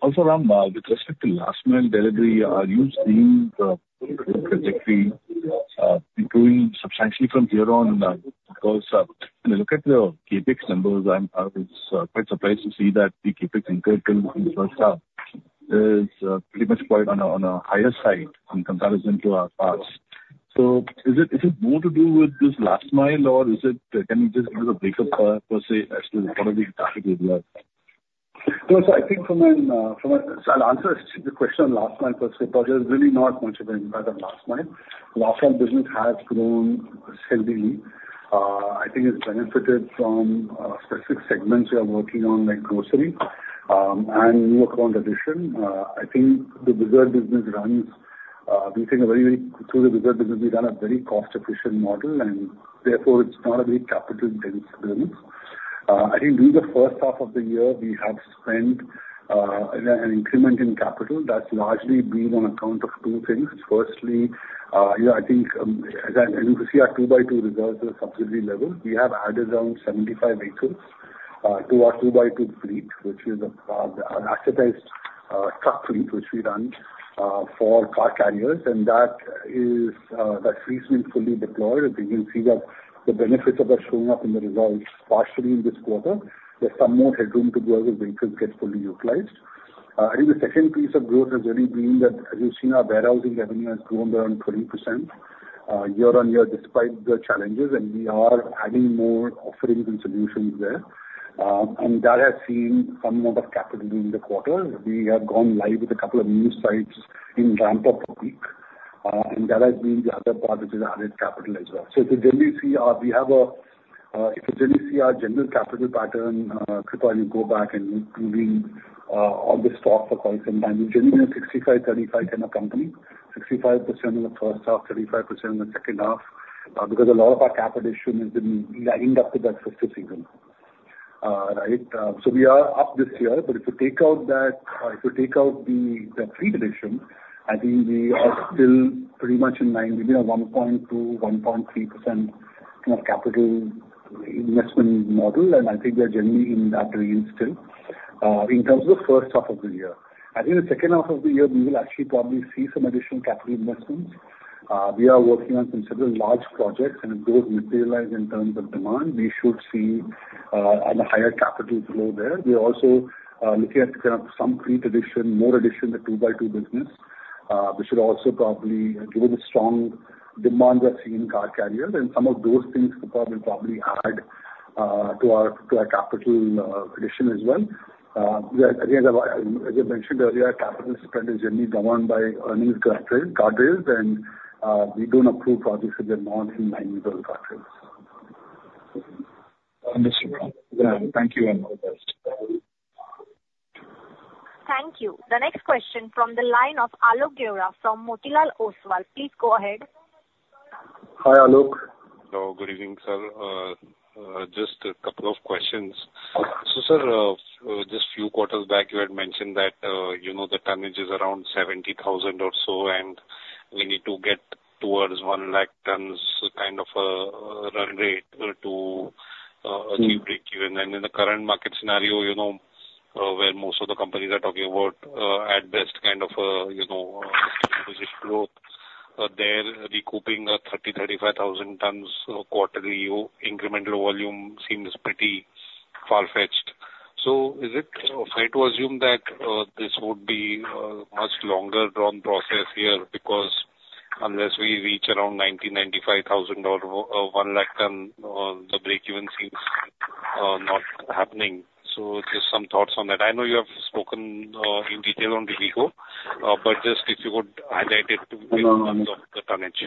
Also, Ram, with respect to last mile delivery, are you seeing the trajectory improving substantially from here on? Because, when you look at the CapEx numbers, I was quite surprised to see that the CapEx incremental in the first half is pretty much quite on a higher side in comparison to our past. So is it more to do with this last mile, or can you just give us a breakup per se as to what are the drivers here? No. So I think from a. So I'll answer the question on last mile per se, because there's really not much of an impact on last mile. Last mile business has grown healthily. I think it's benefited from specific segments we are working on, like grocery, and new account addition. I think the express business, through the express business, we run a very cost-efficient model, and therefore it's not a very capital-dense business. I think during the first half of the year, we have spent an increment in capital that's largely been on account of two things. Firstly, you know, I think, as I, and you can see our 2x2 results at a subsidiary level. We have added around 75 vehicles to our 2x2 fleet, which is an assetized truck fleet, which we run for car carriers, and that fleet's been fully deployed. I think you'll see the benefits of that showing up in the results partially in this quarter. There's some more headroom to go as the vehicles get fully utilized. I think the second piece of growth has really been that as you've seen our warehousing revenue has grown around 20% yearr-on-year, despite the challenges, and we are adding more offerings and solutions there, and that has seen some amount of capital in the quarter. We have gone live with a couple of new sites in ramp up peak, and that has been the other part, which has added capital as well. So if you generally see our general capital pattern, Krupa, you go back and including all the stocks for quite some time, we're generally a 65-35 kind of company. 65% in the first half, 35% in the second half, because a lot of our cap addition has been lined up with that festive season. Right? So we are up this year, but if you take out the fleet addition, I think we are still pretty much in line. We do have 1.2%-1.3% of capital investment model, and I think we are generally in that range still, in terms of first half of the year. I think the second half of the year, we will actually probably see some additional capital investments. We are working on some several large projects, and if those materialize in terms of demand, we should see on a higher capital flow there. We are also looking at kind of some fleet addition, more addition to two by two business. We should also probably, given the strong demand we're seeing in car carriers and some of those things, Krupa, will probably add to our capital addition as well. Yeah, again, as I mentioned earlier, our capital spend is generally driven by earnings growth targets, and we don't approve projects if they're not in line with those targets. Understood. Thank you, and all the best. Thank you. The next question from the line of Alok Deora from Motilal Oswal. Please go ahead.... Hi, Alok. Hello, good evening, sir. Just a couple of questions. So sir, just few quarters back, you had mentioned that, you know, the tonnage is around seventy thousand or so, and we need to get towards one lakh tons kind of run rate to achieve breakeven. And in the current market scenario, you know, where most of the companies are talking about at best kind of you know single-digit growth, they're recouping thirty to thirty-five thousand tons quarterly. Incremental volume seems pretty far-fetched. So is it fair to assume that this would be much longer run process here? Because unless we reach around ninety to ninety-five thousand or one lakh ton the breakeven seems not happening. So just some thoughts on that. I know you have spoken in detail on TV before, but just if you would highlight it in terms of the tonnage.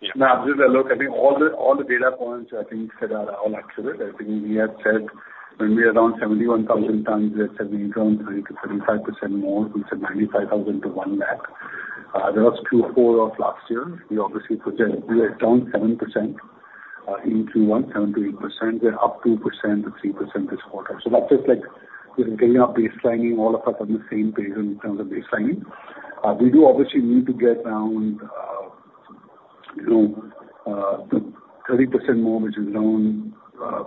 Yeah. Now, this Alok, I think all the data points we said are all accurate. I think we had said when we are around 71,000 tons, that's when we 30%-35% more, we said 95,000 to one lakh. The last Q4 of last year, we obviously put it, we are down 7%, in Q1, 7%-8%. We're up 2%-3% this quarter. So that's just like we're getting our baselining all of us on the same page in terms of baselining. We do obviously need to get around the 30% more, which is down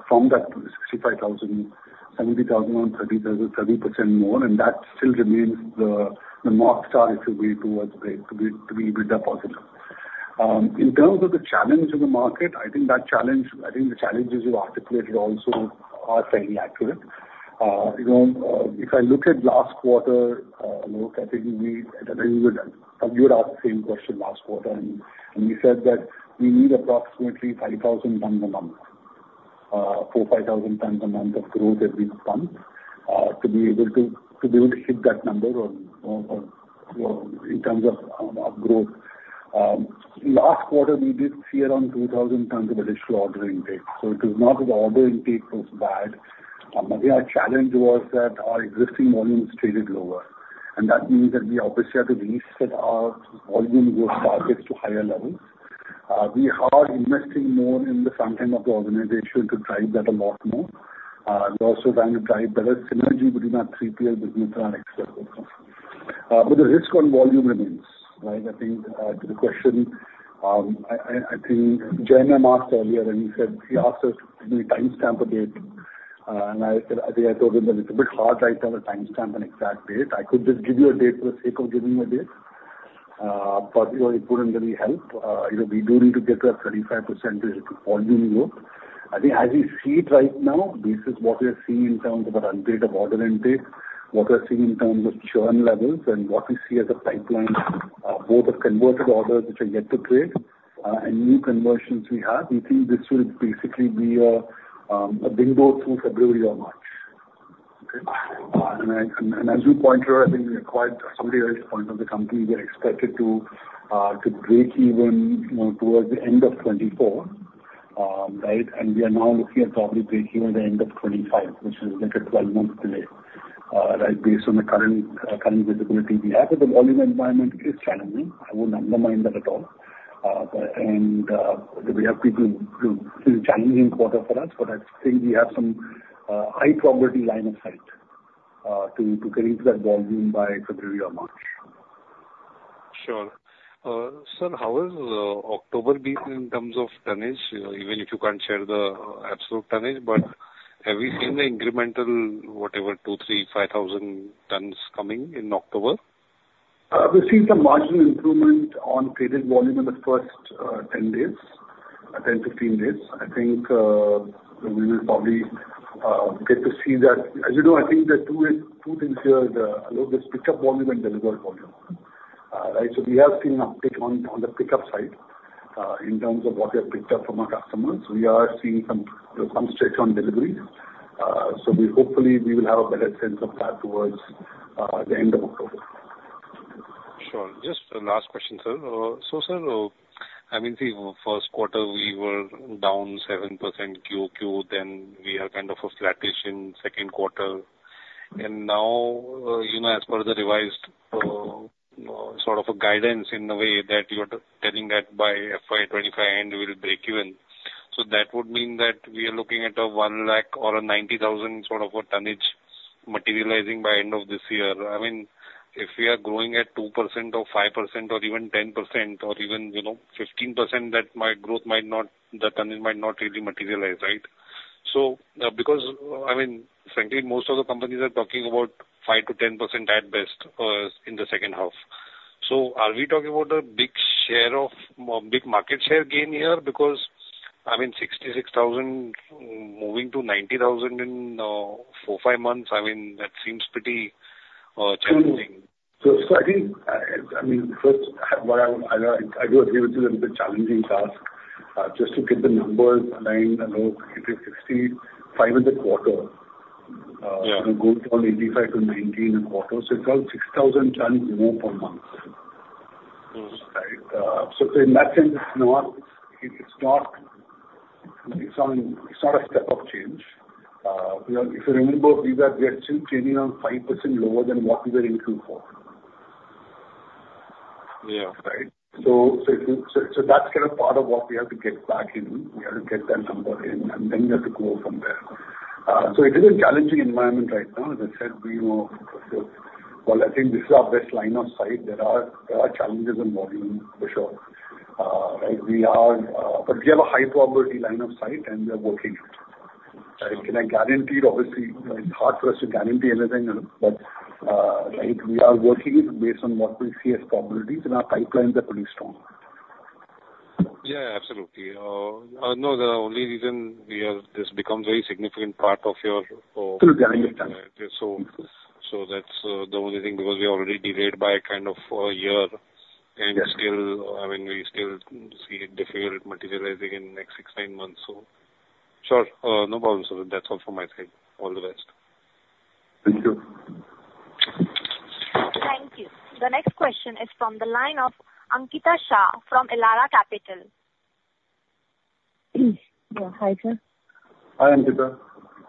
from that 65,000, 70,000 or 30,000, 30% more, and that still remains the North Star, if you will, towards the best possible. In terms of the challenge in the market, I think that challenge, I think the challenges you articulated also are fairly accurate. You know, if I look at last quarter, Alok, I think we, I think we would, you would ask the same question last quarter, and, and we said that we need approximately five thousand tons a month, four, five thousand tons a month of growth every month, to be able to, to be able to hit that number on, on, in terms of, our growth. Last quarter, we did see around two thousand tons of additional order intake, so it was not that the order intake was bad. But our challenge was that our existing volumes traded lower, and that means that we obviously had to reset our volume growth targets to higher levels. We are investing more in the front end of the organization to drive that a lot more. We're also trying to drive better synergy between our three tier business and our. [inaudible] But the risk on volume remains, right? I think, to the question, I think Jamie asked earlier, and he said... he asked us to give me a timestamp or date, and I said, I think I told him that it's a bit hard to have a timestamp and exact date. I could just give you a date for the sake of giving you a date, but, you know, it wouldn't really help. You know, we do need to get to that 35% volume growth. I think as we see it right now, this is what we are seeing in terms of the run rate of order intake, what we are seeing in terms of churn levels and what we see as a pipeline, both of converted orders which are yet to trade, and new conversions we have. We think this will basically be a window through February or March. Okay? And as you pointed out, I think the company is expected to break even, you know, towards the end of 2024, right? And we are now looking at probably breaking at the end of 2025, which is like a 12-month delay, right, based on the current visibility we have. But the volume environment is challenging. I wouldn't undermine that at all. We have people too. It's a challenging quarter for us, but I'd say we have some high probability line of sight to get into that volume by February or March. Sure. Sir, how is October been in terms of tonnage? Even if you can't share the absolute tonnage, but have we seen the incremental, whatever, two, three, five thousand tons coming in October? We've seen some marginal improvement on traded volume in the first 10 days, 10, 15 days. I think we will probably get to see that. As you know, I think there are two things here, there's pickup volume and delivery volume. Right. So we have seen uptick on the pickup side, in terms of what we have picked up from our customers. We are seeing some stretch on delivery. So hopefully we will have a better sense of that towards the end of October. Sure. Just the last question, sir. So, sir, I mean, the first quarter we were down 7% QQ, then we are kind of flattish in second quarter. And now, you know, as per the revised, sort of a guidance in the way that you're telling that by FY 2025 end, we will break even. So that would mean that we are looking at a one lakh or a 90,000 sort of a tonnage materializing by end of this year. I mean, if we are growing at 2% or 5% or even 10% or even, you know, 15%, that might, growth might not, the tonnage might not really materialize, right? So, because, I mean, frankly, most of the companies are talking about 5% to 10% at best, in the second quarter. So are we talking about a big share of big market share gain here? Because, I mean, 66,000 moving to 90,000 in four, five months, I mean, that seems pretty challenging. I think, I mean, first, what I do agree with you, that's a challenging task. Just to get the numbers aligned, I know it is 65 in the quarter. Yeah. Going from eighty-five to ninety in a quarter, so it's around six thousand tons more per month. Mm. Right? So in that sense, it's not a step up change. If you remember, we are still trading 5% lower than what we were in Q4. Yeah. Right? So that's kind of part of what we have to get back in. We have to get that number in, and then we have to grow from there. So it is a challenging environment right now. As I said, we know, well, I think this is our best line of sight. There are challenges in volume, for sure. Right, we are, but we have a high probability line of sight, and we are working. Right? Can I guarantee it? Obviously, it's hard for us to guarantee anything, but right, we are working it based on what we see as probabilities, and our pipelines are pretty strong. Yeah, absolutely. No, the only reason we are, this becomes a very significant part of your, Absolutely, I understand. So that's the only thing, because we already delayed by kind of a year. Yeah. And still, I mean, we still see it difficult materializing in the next six, nine months. So sure, no problem, sir. That's all from my side. All the best. Thank you. Thank you. The next question is from the line of Ankita Shah from Elara Capital. Yeah, hi, sir. Hi, Ankita.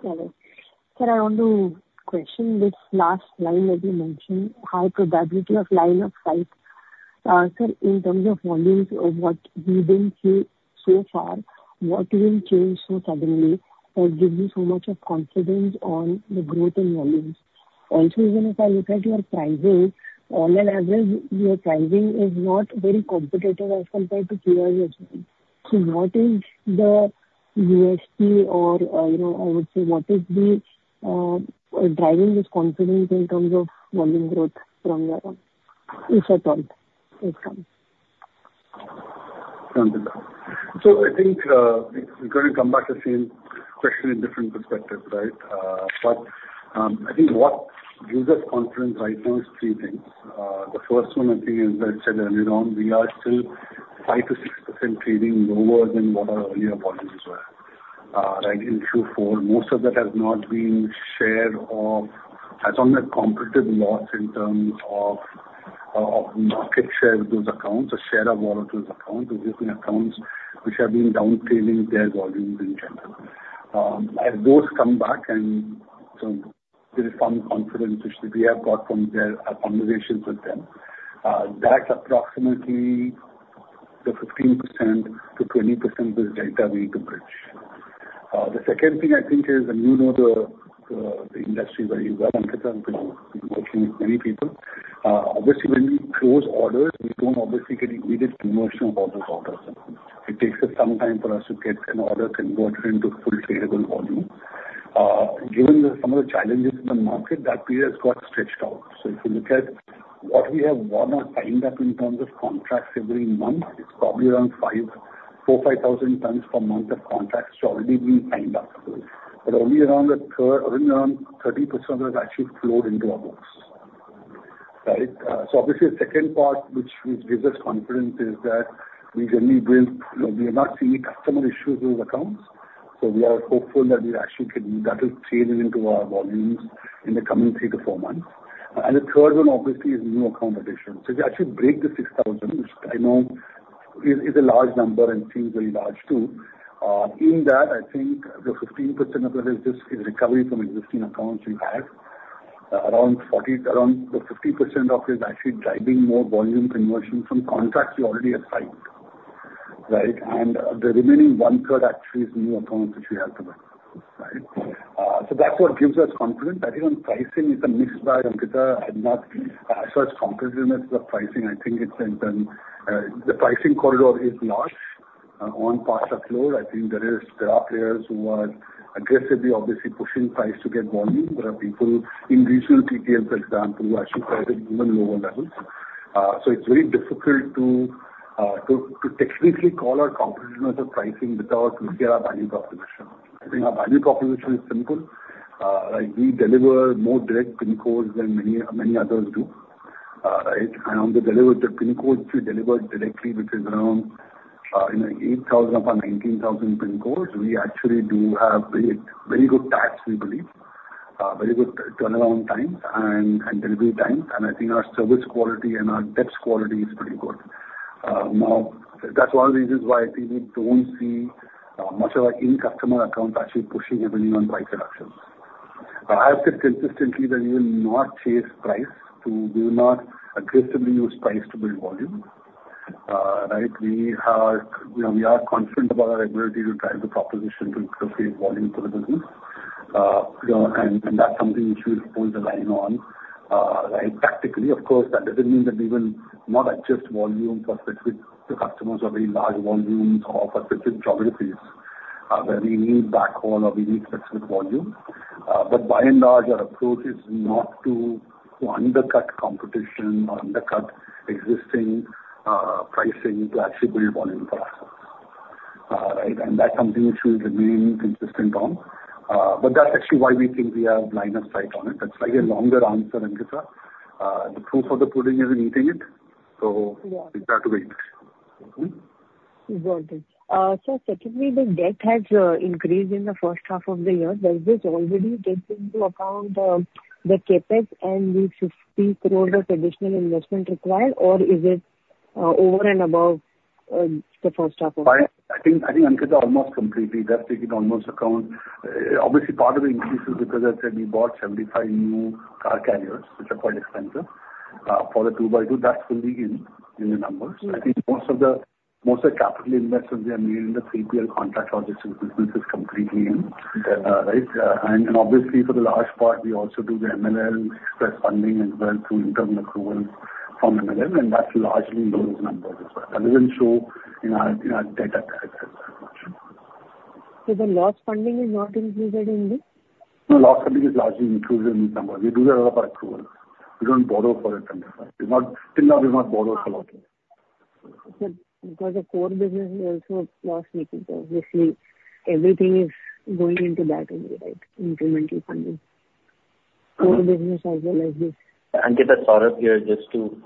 Hello. Sir, I want to question this last line that you mentioned, high probability of line of sight. Sir, in terms of volumes of what we've been seeing so far, what will change so suddenly or give you so much of confidence on the growth in volumes? Also, even if I look at your pricing, on an average, your pricing is not very competitive as compared to peers as well. So what is the USP or, you know, I would say, what is the driving this confidence in terms of volume growth from your end, if at all it comes? Thank you, so I think we're going to come back to same question in different perspective, right? But I think what gives us confidence right now is three things. The first one, I think, is that said earlier on, we are still 5%-6% trading lower than what our earlier volumes were. Like in Q4, most of that has not been shared of, I don't have competitive loss in terms of, of market share of those accounts or share of wallet of those accounts. Those have been accounts which have been down scaling their volumes in general. As those come back and so there is some confidence which we have got from their, conversations with them. That's approximately the 15%-20% of the delta we need to bridge. The second thing I think is, and you know the industry very well, Ankita, and you've been working with many people. Obviously, when we close orders, we don't obviously get immediate conversion of all those orders. It takes us some time for us to get an order converted into full tradable volume. Given some of the challenges in the market, that period has got stretched out. So if you look at what we have won or signed up in terms of contracts every month, it's probably around five, four, five thousand tons per month of contracts which have already been signed up. But only around a third, only around 30% has actually flowed into our books, right? So obviously, the second part, which gives us confidence, is that we generally bring. You know, we are not seeing any customer issues with accounts, so we are hopeful that we actually can, that will change into our volumes in the coming three to four months. And the third one, obviously, is new account addition. So if you actually break the six thousand, which I know is a large number and seems very large too, in that, I think the 15% of that is just a recovery from existing accounts we have. Around 40, around the 50% of it is actually driving more volume conversion from contracts we already have signed, right? And the remaining one-third actually is new accounts, which we have to win, right? So that's what gives us confidence. I think on pricing, it's a mixed bag, Ankita. I'm not so much competitiveness of pricing. I think it's in turn, the pricing corridor is large. On parts of load, I think there are players who are aggressively, obviously, pushing price to get volume. There are people in regional PLs, for example, who actually price it even lower levels. So it's very difficult to, to technically call our competitiveness of pricing without looking at our value proposition. I think our value proposition is simple. Like, we deliver more direct pin codes than many, many others do. Right, and on the delivered, the pin codes, we deliver directly, which is around, you know, 8,000 out of 19,000 pin codes. We actually do have very, very good tags, we believe, very good turnaround times and delivery times. And I think our service quality and our depth quality is pretty good. Now, that's one of the reasons why I think we don't see much of our any customer accounts actually pushing everything on price reductions. I have said consistently that we will not chase price to do not aggressively use price to build volume. Right, we are confident about our ability to drive the proposition to create volume for the business. You know, and that's something which we'll hold the line on. Right, tactically, of course, that doesn't mean that we will not adjust volume for specific to customers or very large volumes or for specific geographies, where we need backhaul or we need specific volume. But by and large, our approach is not to undercut competition or undercut existing pricing to actually build volume for us. Right, and that's something which we'll remain consistent on. But that's actually why we think we have line of sight on it. That's like a longer answer, Ankita. The proof of the pudding is in eating it. So. Yeah. We've got to wait. Got it. Sir, secondly, the debt has increased in the first half of the year. Does this already take into account the CapEx and the 60 crore of additional investment required, or is it over and above the first half of- I think, Ankita, almost completely that's taken into account. Obviously, part of the increase is because I said we bought 75 new car carriers, which are quite expensive. For the 2x2, that's fully in the numbers. Yeah. I think most of the capital investments we have made in the P&L contract logistics business is completely in, right? And obviously, for the large part, we also do the MLL's funding as well through internal accrual from MLL, and that's largely in those numbers as well. That doesn't show in our data as much. So the large funding is not included in this? No, large funding is largely included in the numbers. We do that on approval. We don't borrow for it. We're not, still now we've not borrowed a lot. But because of core business, we also lost making the obviously everything is going into that only, right? Incremental funding. Uh. Core business as well as this. Ankita, Saurabh here, just to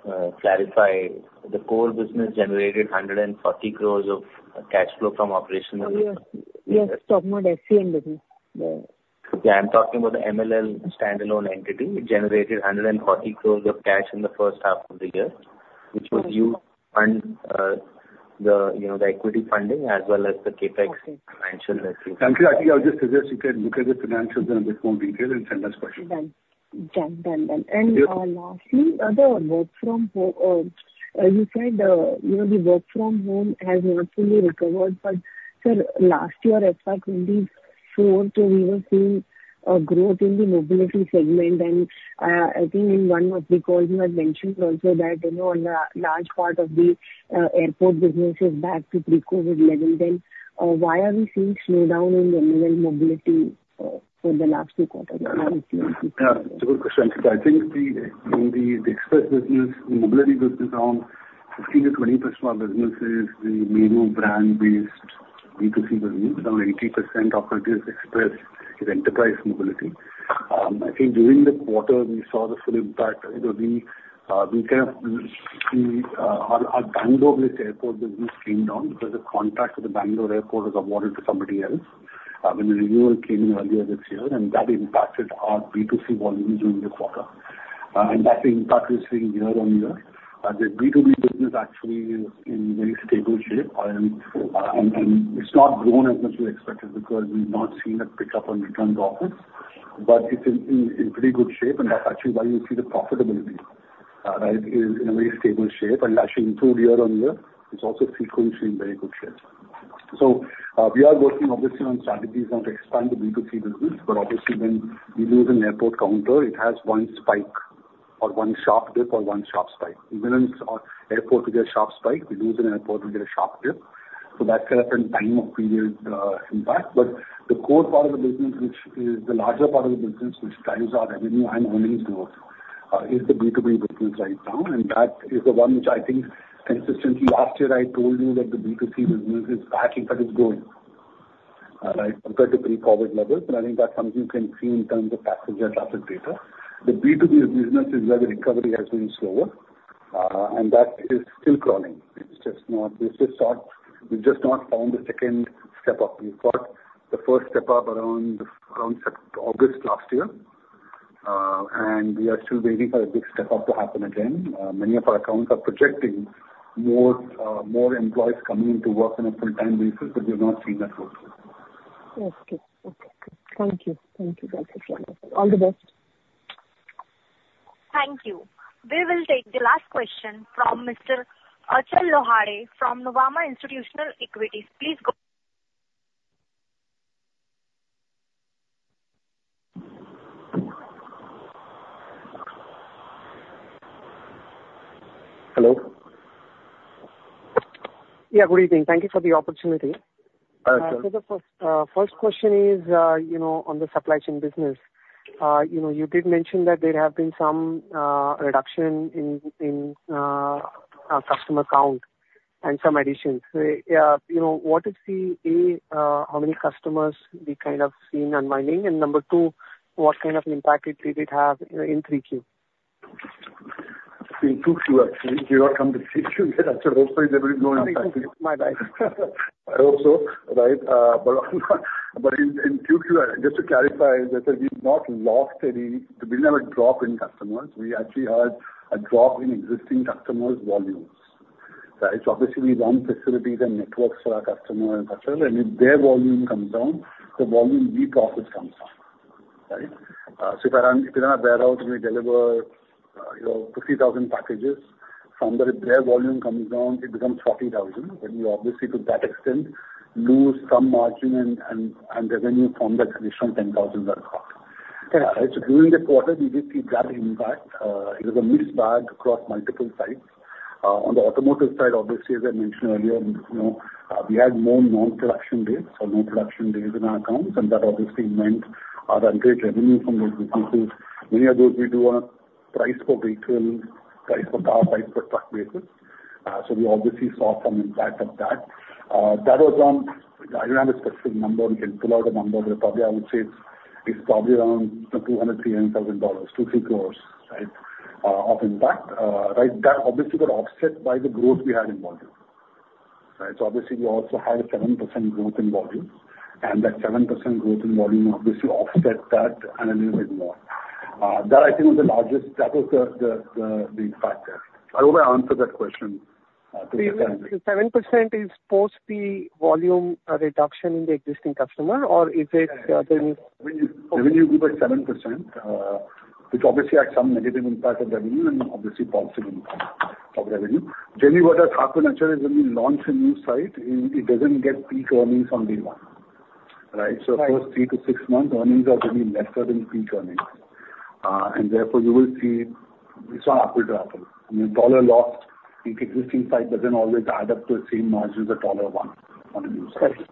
clarify. The core business generated 140 crores of cash flow from operational- Oh, yes. Yes, talk about FC entity. Yeah. I'm talking about the MLL standalone entity. It generated 140 crores of cash in the first half of the year- Okay. -which was used to fund, the, you know, the equity funding as well as the CapEx- Okay. -financial investment. Ankita, I think I'll just suggest you can look at the financials in a bit more detail and send us question. Done. Done, done, done. Yes. Lastly, the work from home has not fully recovered. But sir, last year, FY 2024, so we were seeing a growth in the mobility segment, and I think in one of the calls you had mentioned also that, you know, on a large part of the airport business is back to pre-COVID level, then why are we seeing slowdown in the mobility for the last two quarters? Yeah, it's a good question. I think the, in the express business, the mobility business around 15%-20% of our business is the main brand-based B2C business. Around 80% of it is express, is enterprise mobility. I think during the quarter we saw the full impact. You know, we kind of, our Bangalore-based airport business came down because the contract with the Bangalore Airport was awarded to somebody else, when the renewal came in earlier this year, and that impacted our B2C volume during the quarter. And that impact we're seeing yearr-on-year. The B2B business actually is in very stable shape. It's not grown as much as we expected because we've not seen a pickup on return to office, but it's in pretty good shape, and that's actually why you see the profitability right in a very stable shape and actually improved yearr-on-year. It's also sequentially in very good shape. We are working obviously on strategies now to expand the B2C business. Obviously, when we lose an airport counter, it has one spike or one sharp dip or one sharp spike. We win an airport, we get a sharp spike. We lose an airport, we get a sharp dip. That setup in a time period impact. But the core part of the business, which is the larger part of the business, which drives our revenue and earnings growth, is the B2B business right now, and that is the one which I think consistently last year I told you that the B2C business is lagging, but it's growing, right, compared to pre-COVID levels, and I think that's something you can see in terms of passenger traffic data. The B2B business is where the recovery has been slower, and that is still crawling. It's just not, it's just not, we've just not found the second step up. We've got the first step up around August, September last year, and we are still waiting for a big step up to happen again. Many of our accounts are projecting more employees coming into work on a full-time basis, but we've not seen that so far. Okay. Thank you very much. All the best. Thank you. We will take the last question from Mr. Achal Lohade from JM Financial. Please go. Hello? Yeah, good evening. Thank you for the opportunity. Uh, sure. So, the first question is, you know, on the supply chain business. You know, you did mention that there have been some reduction in customer count and some additions. So, you know, what is the, how many customers we kind of seen unwinding? And number two, what kind of impact it did, it have in 3Q? In 2Q actually. We are coming to 3Q. I'm sure there will be no impact. My bad. I hope so, right? But in Q2, just to clarify, that we've not lost any. We've never drop any customers. We actually had a drop in existing customers' volumes, right? So obviously we run facilities and networks for our customer, and if their volume comes down, the volume we profit comes down, right? So if in our warehouse we deliver, you know, 50,000 packages from there, if their volume comes down, it becomes 40,000, then we obviously, to that extent, lose some margin and revenue from that additional 10,000 that dropped. Okay. So during the quarter, we did see that impact. It was a mixed bag across multiple sites. On the automotive side, obviously, as I mentioned earlier, you know, we had more non-production days or no production days in our accounts, and that obviously meant the average revenue from those businesses, many of those we do on a price per vehicle, price per car, price per truck basis. So we obviously saw some impact of that. That was on... I don't have a specific number. We can pull out a number, but probably I would say it's probably around $200,000-$300,000, 2-3 crores, right, of impact. Right, that obviously got offset by the growth we had in volume, right? So obviously, we also had a 7% growth in volume, and that 7% growth in volume obviously offset that and a little bit more. That I think was the largest. That was the impact there. I hope I answered that question to your satisfaction. 7% is post the volume reduction in the existing customer, or is it, the- Revenue, revenue grew by 7%, which obviously had some negative impact on revenue and obviously positive impact of revenue. Generally, what does happen, actually, when we launch a new site, it doesn't get peak earnings on day one, right? Right. So, first three to six months, earnings are going to be lesser than peak earnings. And therefore, you will see it's on upward travel. I mean, dollar lost in existing site doesn't always add up to the same margin as a dollar one on a new site.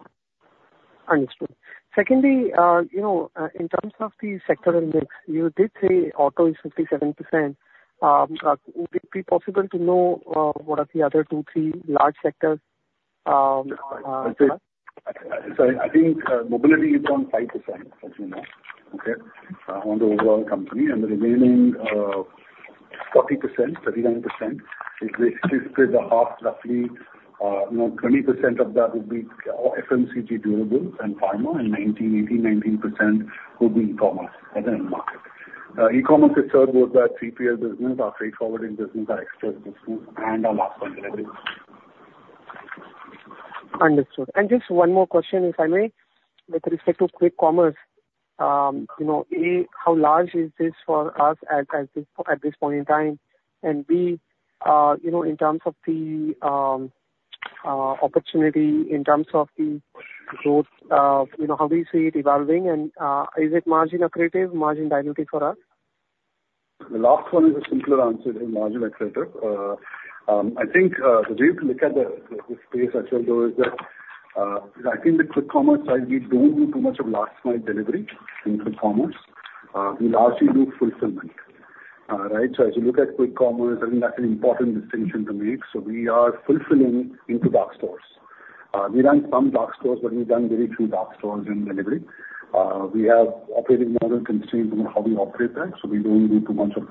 Understood. Secondly, you know, in terms of the sector index, you did say auto is 57%. Would it be possible to know what are the other two, three large sectors, So I think, mobility is around 5%, as you know, okay, on the overall company. And the remaining, 40%, 39%, if we split the half, roughly, you know, 20% of that would be, FMCG durables and pharma, and 19, 18, 19% would be e-commerce and then market. E-commerce is served both by our 3PL business, our freight forwarding business, our express business, and our last mile delivery. Understood. And just one more question, if I may, with respect to quick commerce. You know, A, how large is this for us at this point in time? And, B, you know, in terms of the opportunity, in terms of the growth, you know, how do you see it evolving, and is it margin accretive, margin dilutive for us? The last one is a simpler answer than margin accretive. I think the way to look at the space actually though is that I think the quick commerce side, we don't do too much of last mile delivery in quick commerce. We largely do fulfillment, right? So as you look at quick commerce, I think that's an important distinction to make. So we are fulfilling into dark stores. We run some dark stores, but we've done very few dark stores in delivery. We have operating model constraints on how we operate that, so we don't do too much of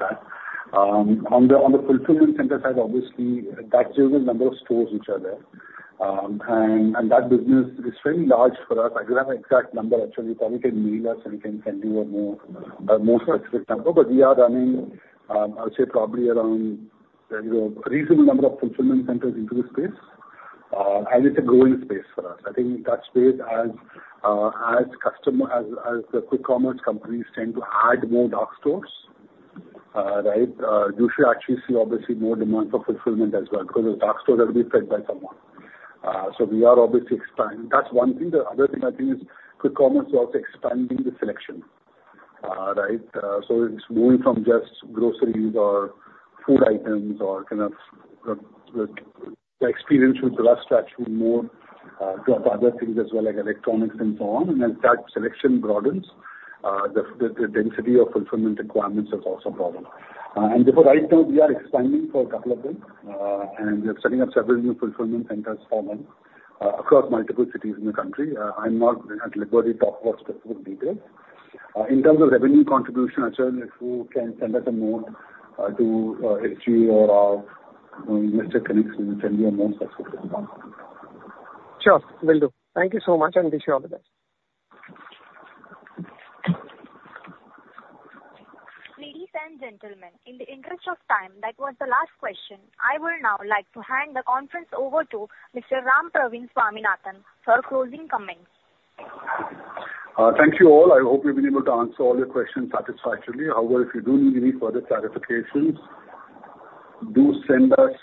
that. On the fulfillment center side, obviously, that drives the number of stores which are there. And that business is very large for us. I don't have an exact number, actually. You probably can email us, and we can do a more specific number. But we are running, I would say probably around, you know, a reasonable number of fulfillment centers in the space. And it's a growing space for us. I think that space as customers, as the quick commerce companies tend to add more dark stores, right, you should actually see obviously more demand for fulfillment as well, because those dark stores have to be fed by someone. So we are obviously expanding. That's one thing. The other thing I think is quick commerce is also expanding the selection, right? So it's moving from just groceries or food items or kind of the experience with the last mile more to other things as well, like electronics and so on. And as that selection broadens, the density of fulfillment requirements is also broadens. And therefore, right now we are expanding for a couple of them, and we are setting up several new fulfillment centers for them across multiple cities in the country. I'm not at liberty to talk about specific details. In terms of revenue contribution, actually, if you can send us a note to SGA or Mr. Kenneth, he will send you a note specific to that. Sure, will do. Thank you so much, and wish you all the best. Ladies and gentlemen, in the interest of time, that was the last question. I would now like to hand the conference over to Mr. Rampraveen Swaminathan for closing comments. Thank you, all. I hope we've been able to answer all your questions satisfactorily. However, if you do need any further clarifications, do send us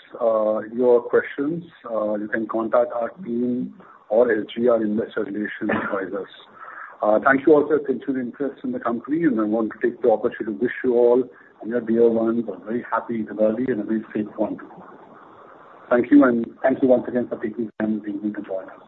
your questions. You can contact our team or SGA Investor Relations advisors. Thank you all for your continued interest in the company, and I want to take the opportunity to wish you all and your dear ones a very happy Diwali and a very safe one. Thank you, and thank you once again for taking time this evening to join us.